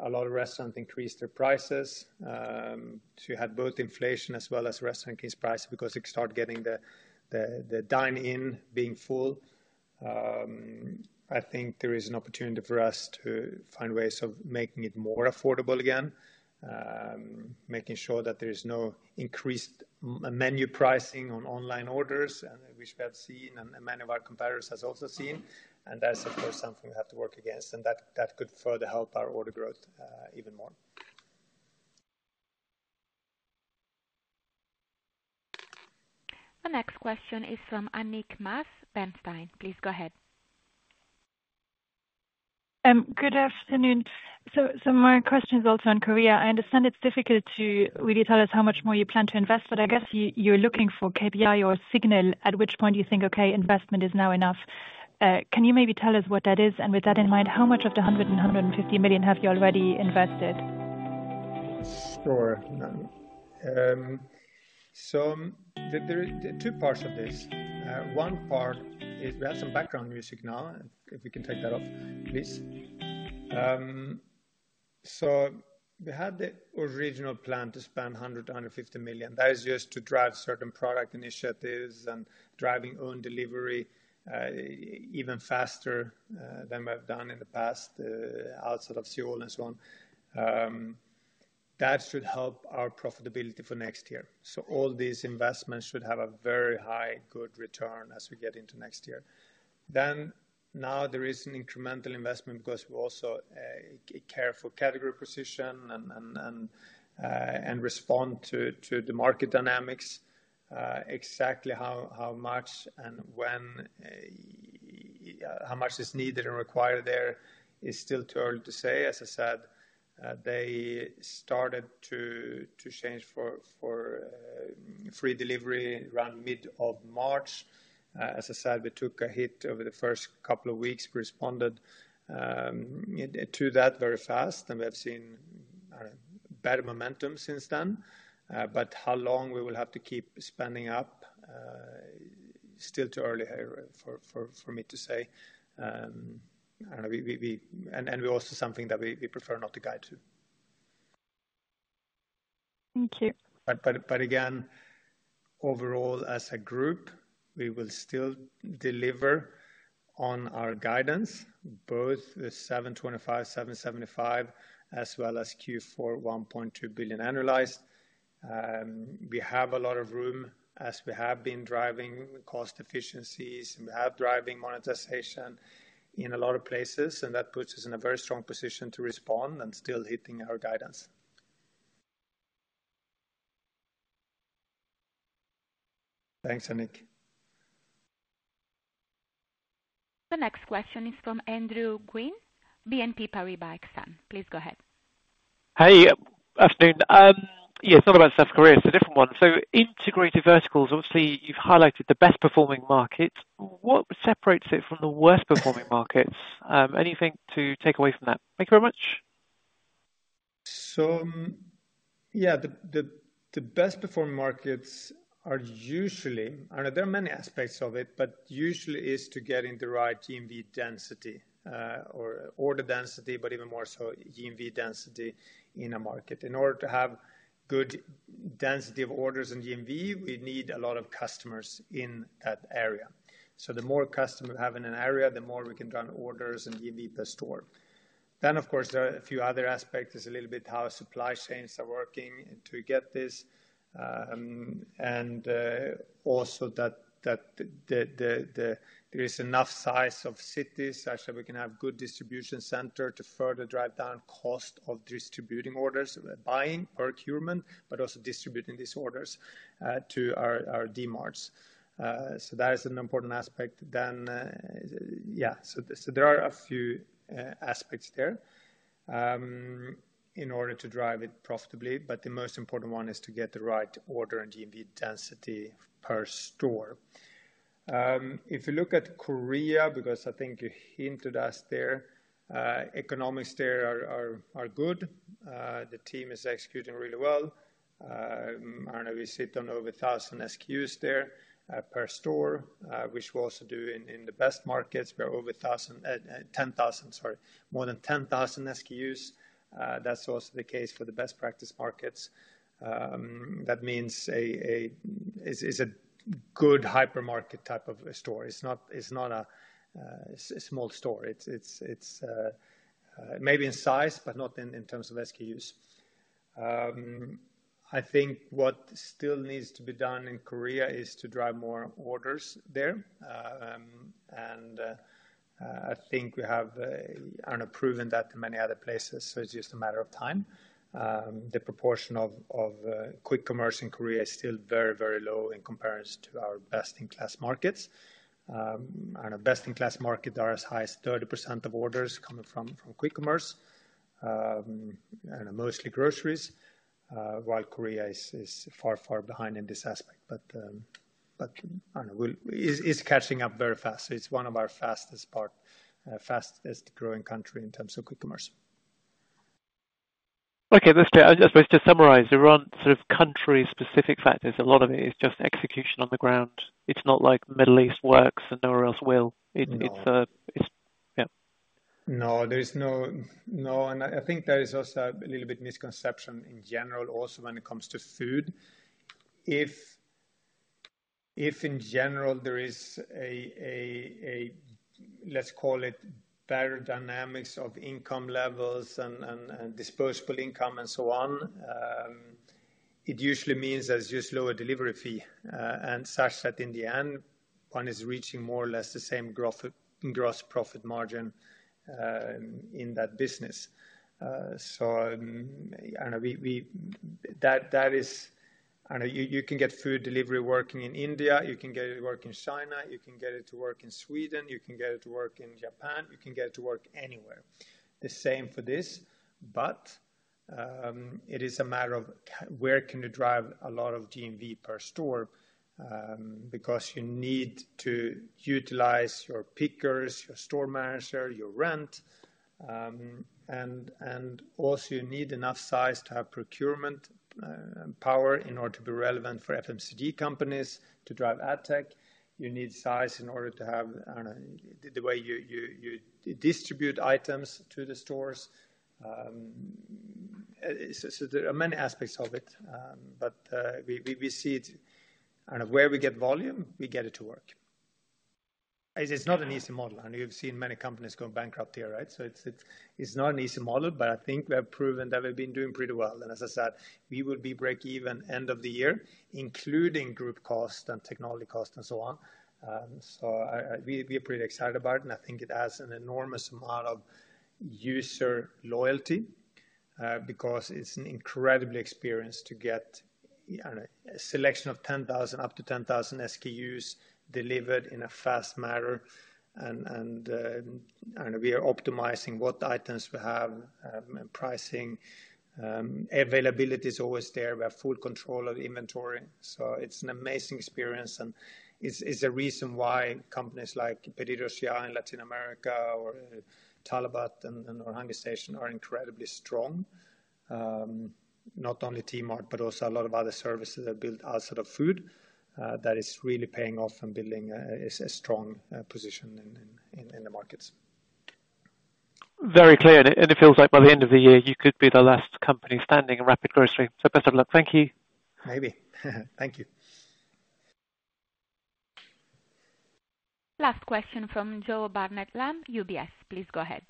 a lot of restaurants increased their prices. So you had both inflation as well as restaurant increased prices because you start getting the dine-in being full. I think there is an opportunity for us to find ways of making it more affordable again, making sure that there is no increased menu pricing on online orders, which we have seen and many of our competitors have also seen. That's, of course, something we have to work against. That could further help our order growth even more. The next question is from Annick Maas, Bernstein. Please go ahead. Good afternoon. So my question is also on Korea. I understand it's difficult to really tell us how much more you plan to invest, but I guess you're looking for KPI or signal at which point you think, "Okay, investment is now enough." Can you maybe tell us what that is? And with that in mind, how much of the 100 million and 150 million have you already invested? Sure. So there are two parts of this. One part is we have some background music now. If we can take that off, please. So we had the original plan to spend 100 million-150 million. That is just to drive certain product initiatives and driving own delivery even faster than we have done in the past outside of Seoul and so on. That should help our profitability for next year. So all these investments should have a very high, good return as we get into next year. Then now, there is an incremental investment because we also care for category position and respond to the market dynamics. Exactly how much and how much is needed and required there is still too early to say. As I said, they started to change for free delivery around mid of March. As I said, we took a hit over the first couple of weeks, responded to that very fast, and we have seen better momentum since then. But how long we will have to keep spending up, still too early for me to say. And we also something that we prefer not to guide to. Thank you. But again, overall, as a group, we will still deliver on our guidance, both 725-775, as well as Q4 1.2 billion annualized. We have a lot of room as we have been driving cost efficiencies, and we have driving monetization in a lot of places. And that puts us in a very strong position to respond and still hitting our guidance. Thanks, Annick. The next question is from Andrew Gwynn, BNP Paribas Exane. Please go ahead. Hey. Afternoon. Yeah. It's not about South Korea. It's a different one. So integrated verticals, obviously, you've highlighted the best-performing markets. What separates it from the worst-performing markets? Anything to take away from that? Thank you very much. So yeah, the best-performing markets are usually I don't know. There are many aspects of it, but usually it's to get in the right GMV density or order density, but even more so GMV density in a market. In order to have good density of orders in GMV, we need a lot of customers in that area. So the more customers we have in an area, the more we can run orders and GMV per store. Then, of course, there are a few other aspects. It's a little bit how supply chains are working to get this. And also that there is enough size of cities such that we can have good distribution center to further drive down cost of distributing orders, buying, procurement, but also distributing these orders to our Dmarts. So that is an important aspect. Then yeah. So there are a few aspects there in order to drive it profitably. But the most important one is to get the right order and GMV density per store. If you look at Korea, because I think you hinted at us there, economics there are good. The team is executing really well. I don't know. We sit on over 1,000 SKUs there per store, which we also do in the best markets. We are over 1,000, 10,000, sorry, more than 10,000 SKUs. That's also the case for the best practice markets. That means it's a good hypermarket type of store. It's not a small store. It's maybe in size, but not in terms of SKUs. I think what still needs to be done in Korea is to drive more orders there. And I think we have, I don't know, proven that in many other places. So it's just a matter of time. The proportion of quick-commerce in Korea is still very, very low in comparison to our best-in-class markets. I don't know. Best-in-class markets are as high as 30% of orders coming from quick-commerce, I don't know, mostly groceries, while Korea is far, far behind in this aspect. But I don't know. It's catching up very fast. So it's one of our fastest-growing countries in terms of quick-commerce. Okay. I suppose to summarize, there aren't sort of country-specific factors. A lot of it is just execution on the ground. It's not like Middle East works and nowhere else will. Yeah. No. No. And I think there is also a little bit misconception in general also when it comes to food. If, in general, there is a, let's call it, better dynamics of income levels and disposable income and so on, it usually means there's just lower delivery fee and such that in the end, one is reaching more or less the same gross profit margin in that business. So I don't know. That is I don't know. You can get food delivery working in India. You can get it to work in China. You can get it to work in Sweden. You can get it to work in Japan. You can get it to work anywhere. The same for this. But it is a matter of where can you drive a lot of GMV per store because you need to utilize your pickers, your store manager, your rent. And also, you need enough size to have procurement power in order to be relevant for FMCG companies to drive ad tech. You need size in order to have I don't know. The way you distribute items to the stores. So there are many aspects of it. But we see it I don't know. Where we get volume, we get it to work. It's not an easy model. I mean, you've seen many companies go bankrupt here, right? So it's not an easy model. But I think we have proven that we've been doing pretty well. And as I said, we will be break-even end of the year, including group cost and technology cost and so on. So we are pretty excited about it. And I think it has an enormous amount of user loyalty because it's an incredible experience to get I don't know. A selection of 10,000 up to 10,000 SKUs delivered in a fast manner. And I don't know. We are optimizing what items we have and pricing. Availability is always there. We have full control of inventory. So it's an amazing experience. And it's a reason why companies like PedidosYa in Latin America or Talabat and HungerStation are incredibly strong, not only tMart but also a lot of other services that build outside of food that is really paying off and building a strong position in the markets. Very clear. It feels like by the end of the year, you could be the last company standing in rapid grocery. Best of luck. Thank you. Maybe. Thank you. Last question from Joe Barnet-Lamb, UBS. Please go ahead.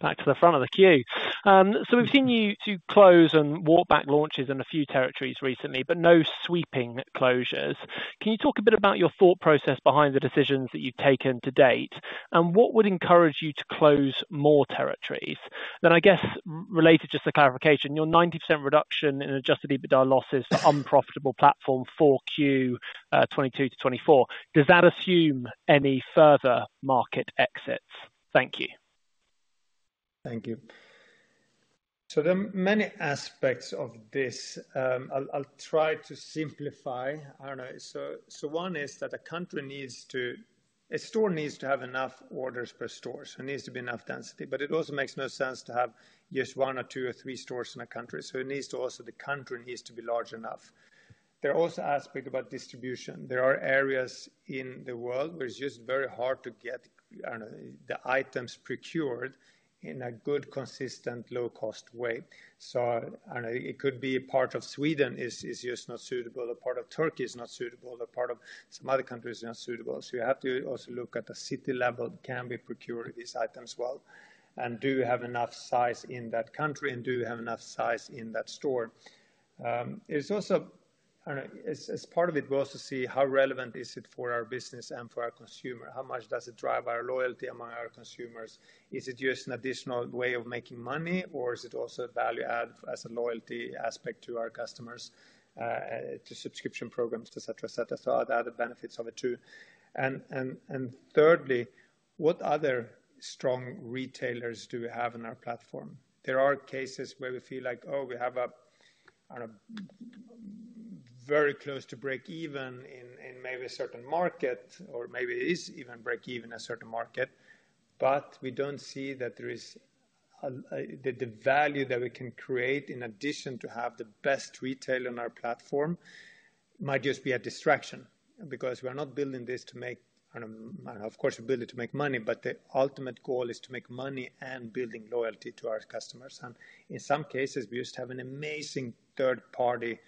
Back to the front of the queue. So we've seen you close and walk back launches in a few territories recently, but no sweeping closures. Can you talk a bit about your thought process behind the decisions that you've taken to date? And what would encourage you to close more territories? Then I guess related just to clarification, your 90% reduction in Adjusted EBITDA losses to unprofitable platform for Q2 to Q4. Does that assume any further market exits? Thank you. Thank you. So there are many aspects of this. I'll try to simplify. I don't know. So one is that a country needs, a store needs to have enough orders per store. So it needs to be enough density. But it also makes no sense to have just one or two or three stores in a country. So it needs to also the country needs to be large enough. There are also aspects about distribution. There are areas in the world where it's just very hard to get I don't know. The items procured in a good, consistent, low-cost way. So I don't know. It could be part of Sweden is just not suitable. A part of Turkey is not suitable. A part of some other countries is not suitable. So you have to also look at the city level. Can we procure these items well? Do we have enough size in that country? And do we have enough size in that store? It's also, I don't know. As part of it, we also see how relevant is it for our business and for our consumer? How much does it drive our loyalty among our consumers? Is it just an additional way of making money? Or is it also a value add as a loyalty aspect to our customers, to subscription programs, etc., etc.? So other benefits of it too. And thirdly, what other strong retailers do we have in our platform? There are cases where we feel like, "Oh, we have, I don't know, very close to break-even in maybe a certain market." Or maybe it is even break-even in a certain market. But we don't see that there is the value that we can create in addition to have the best retailer on our platform. It might just be a distraction because we are not building this to make—I don't know. Of course, we're building it to make money. But the ultimate goal is to make money and building loyalty to our customers. And in some cases, we used to have an amazing third-party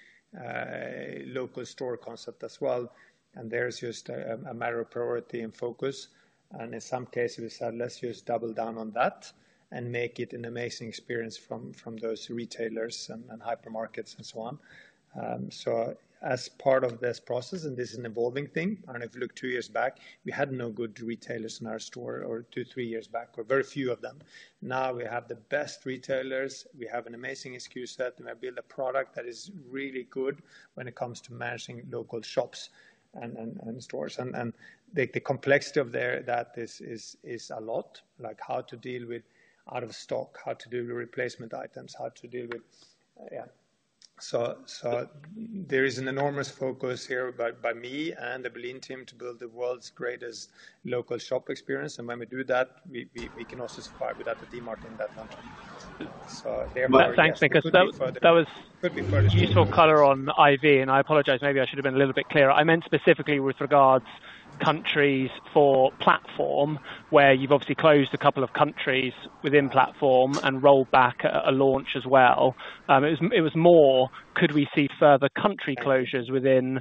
local store concept as well. And there's just a matter of priority and focus. And in some cases, we said, "Let's just double down on that and make it an amazing experience from those retailers and hypermarkets and so on." So as part of this process, and this is an evolving thing—I don't know. If you look two years back, we had no good retailers in our store or two, three years back, or very few of them. Now, we have the best retailers. We have an amazing SKU set. And we have built a product that is really good when it comes to managing local shops and stores. And the complexity of that is a lot, like how to deal with out-of-stock, how to deal with replacement items, how to deal with yeah. So there is an enormous focus here by me and the Berlin team to build the world's greatest local shop experience. And when we do that, we can also supply without the Dmart in that country. So they're very interested in further development. Well, thanks. Useful color on IV. And I apologize. Maybe I should have been a little bit clearer. I meant specifically with regards countries for platform where you've obviously closed a couple of countries within platform and rolled back a launch as well. It was more, could we see further country closures within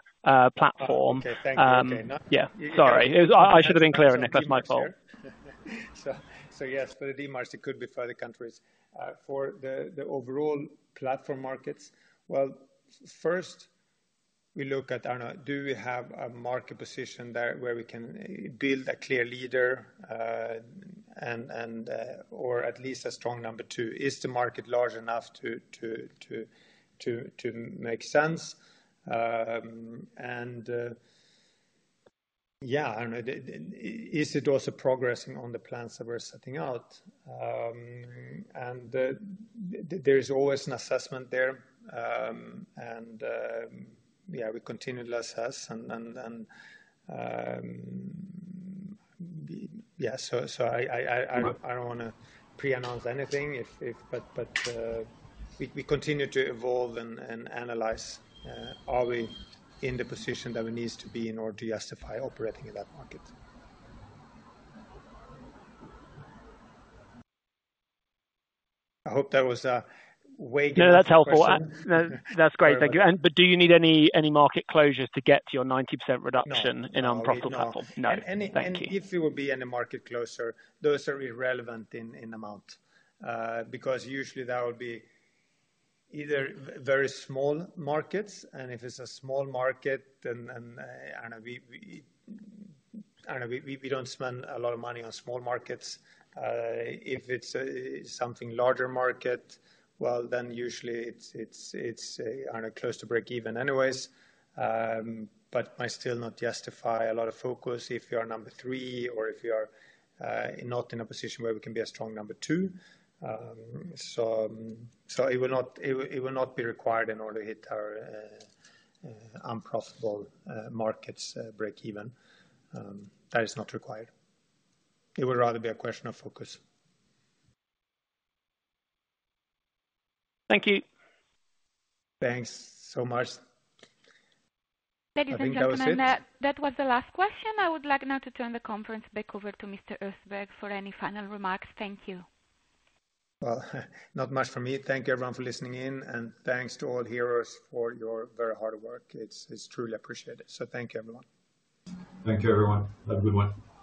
platform? Okay. Thank you. *crosstalk* Okay. No. Yeah. Sorry. I *crosstalk* should have been clearer, Nick. That's my fault. So yes. For the Dmarts, it could be further countries. For the overall platform markets, well, first, we look at I don't know. Do we have a market position where we can build a clear leader or at least a strong number two? Is the market large enough to make sense? And yeah. I don't know. Is it also progressing on the plans that we're setting out? And there is always an assessment there. And yeah, we continue to assess. And yeah. So I don't want to pre-announce anything. But we continue to evolve and analyze. Are we in the position that we need to be in order to justify operating in that market? I hope that was way different. No. *crosstalk* That's helpful. That's great. Thank you. But do you need any market closures to get to your 90% reduction in *crosstalk* unprofitable platform? No. Thank you. And if it would be any market closure, those are irrelevant in amount because usually that would be either very small markets. If it's a small market, then I don't know. I don't know. We don't spend a lot of money on small markets. If it's something larger market, well, then usually it's I don't know. Close to break-even anyways. But might still not justify a lot of focus if you are number three or if you are not in a position where we can be a strong number two. So it will not be required in order to hit our unprofitable markets break-even. That is not required. It would rather be a question of focus. Thank you. Thanks so much. Ladies and *crosstalk* gentlemen, that was the last question. I would like now to turn the conference back over to Mr. Östberg for any final remarks. Thank you. Well, not much from me. Thank you, everyone, for listening in. And thanks to all Heroes for your very hard work. It's truly appreciated. So thank you, everyone. Thank you, everyone. Have a good one.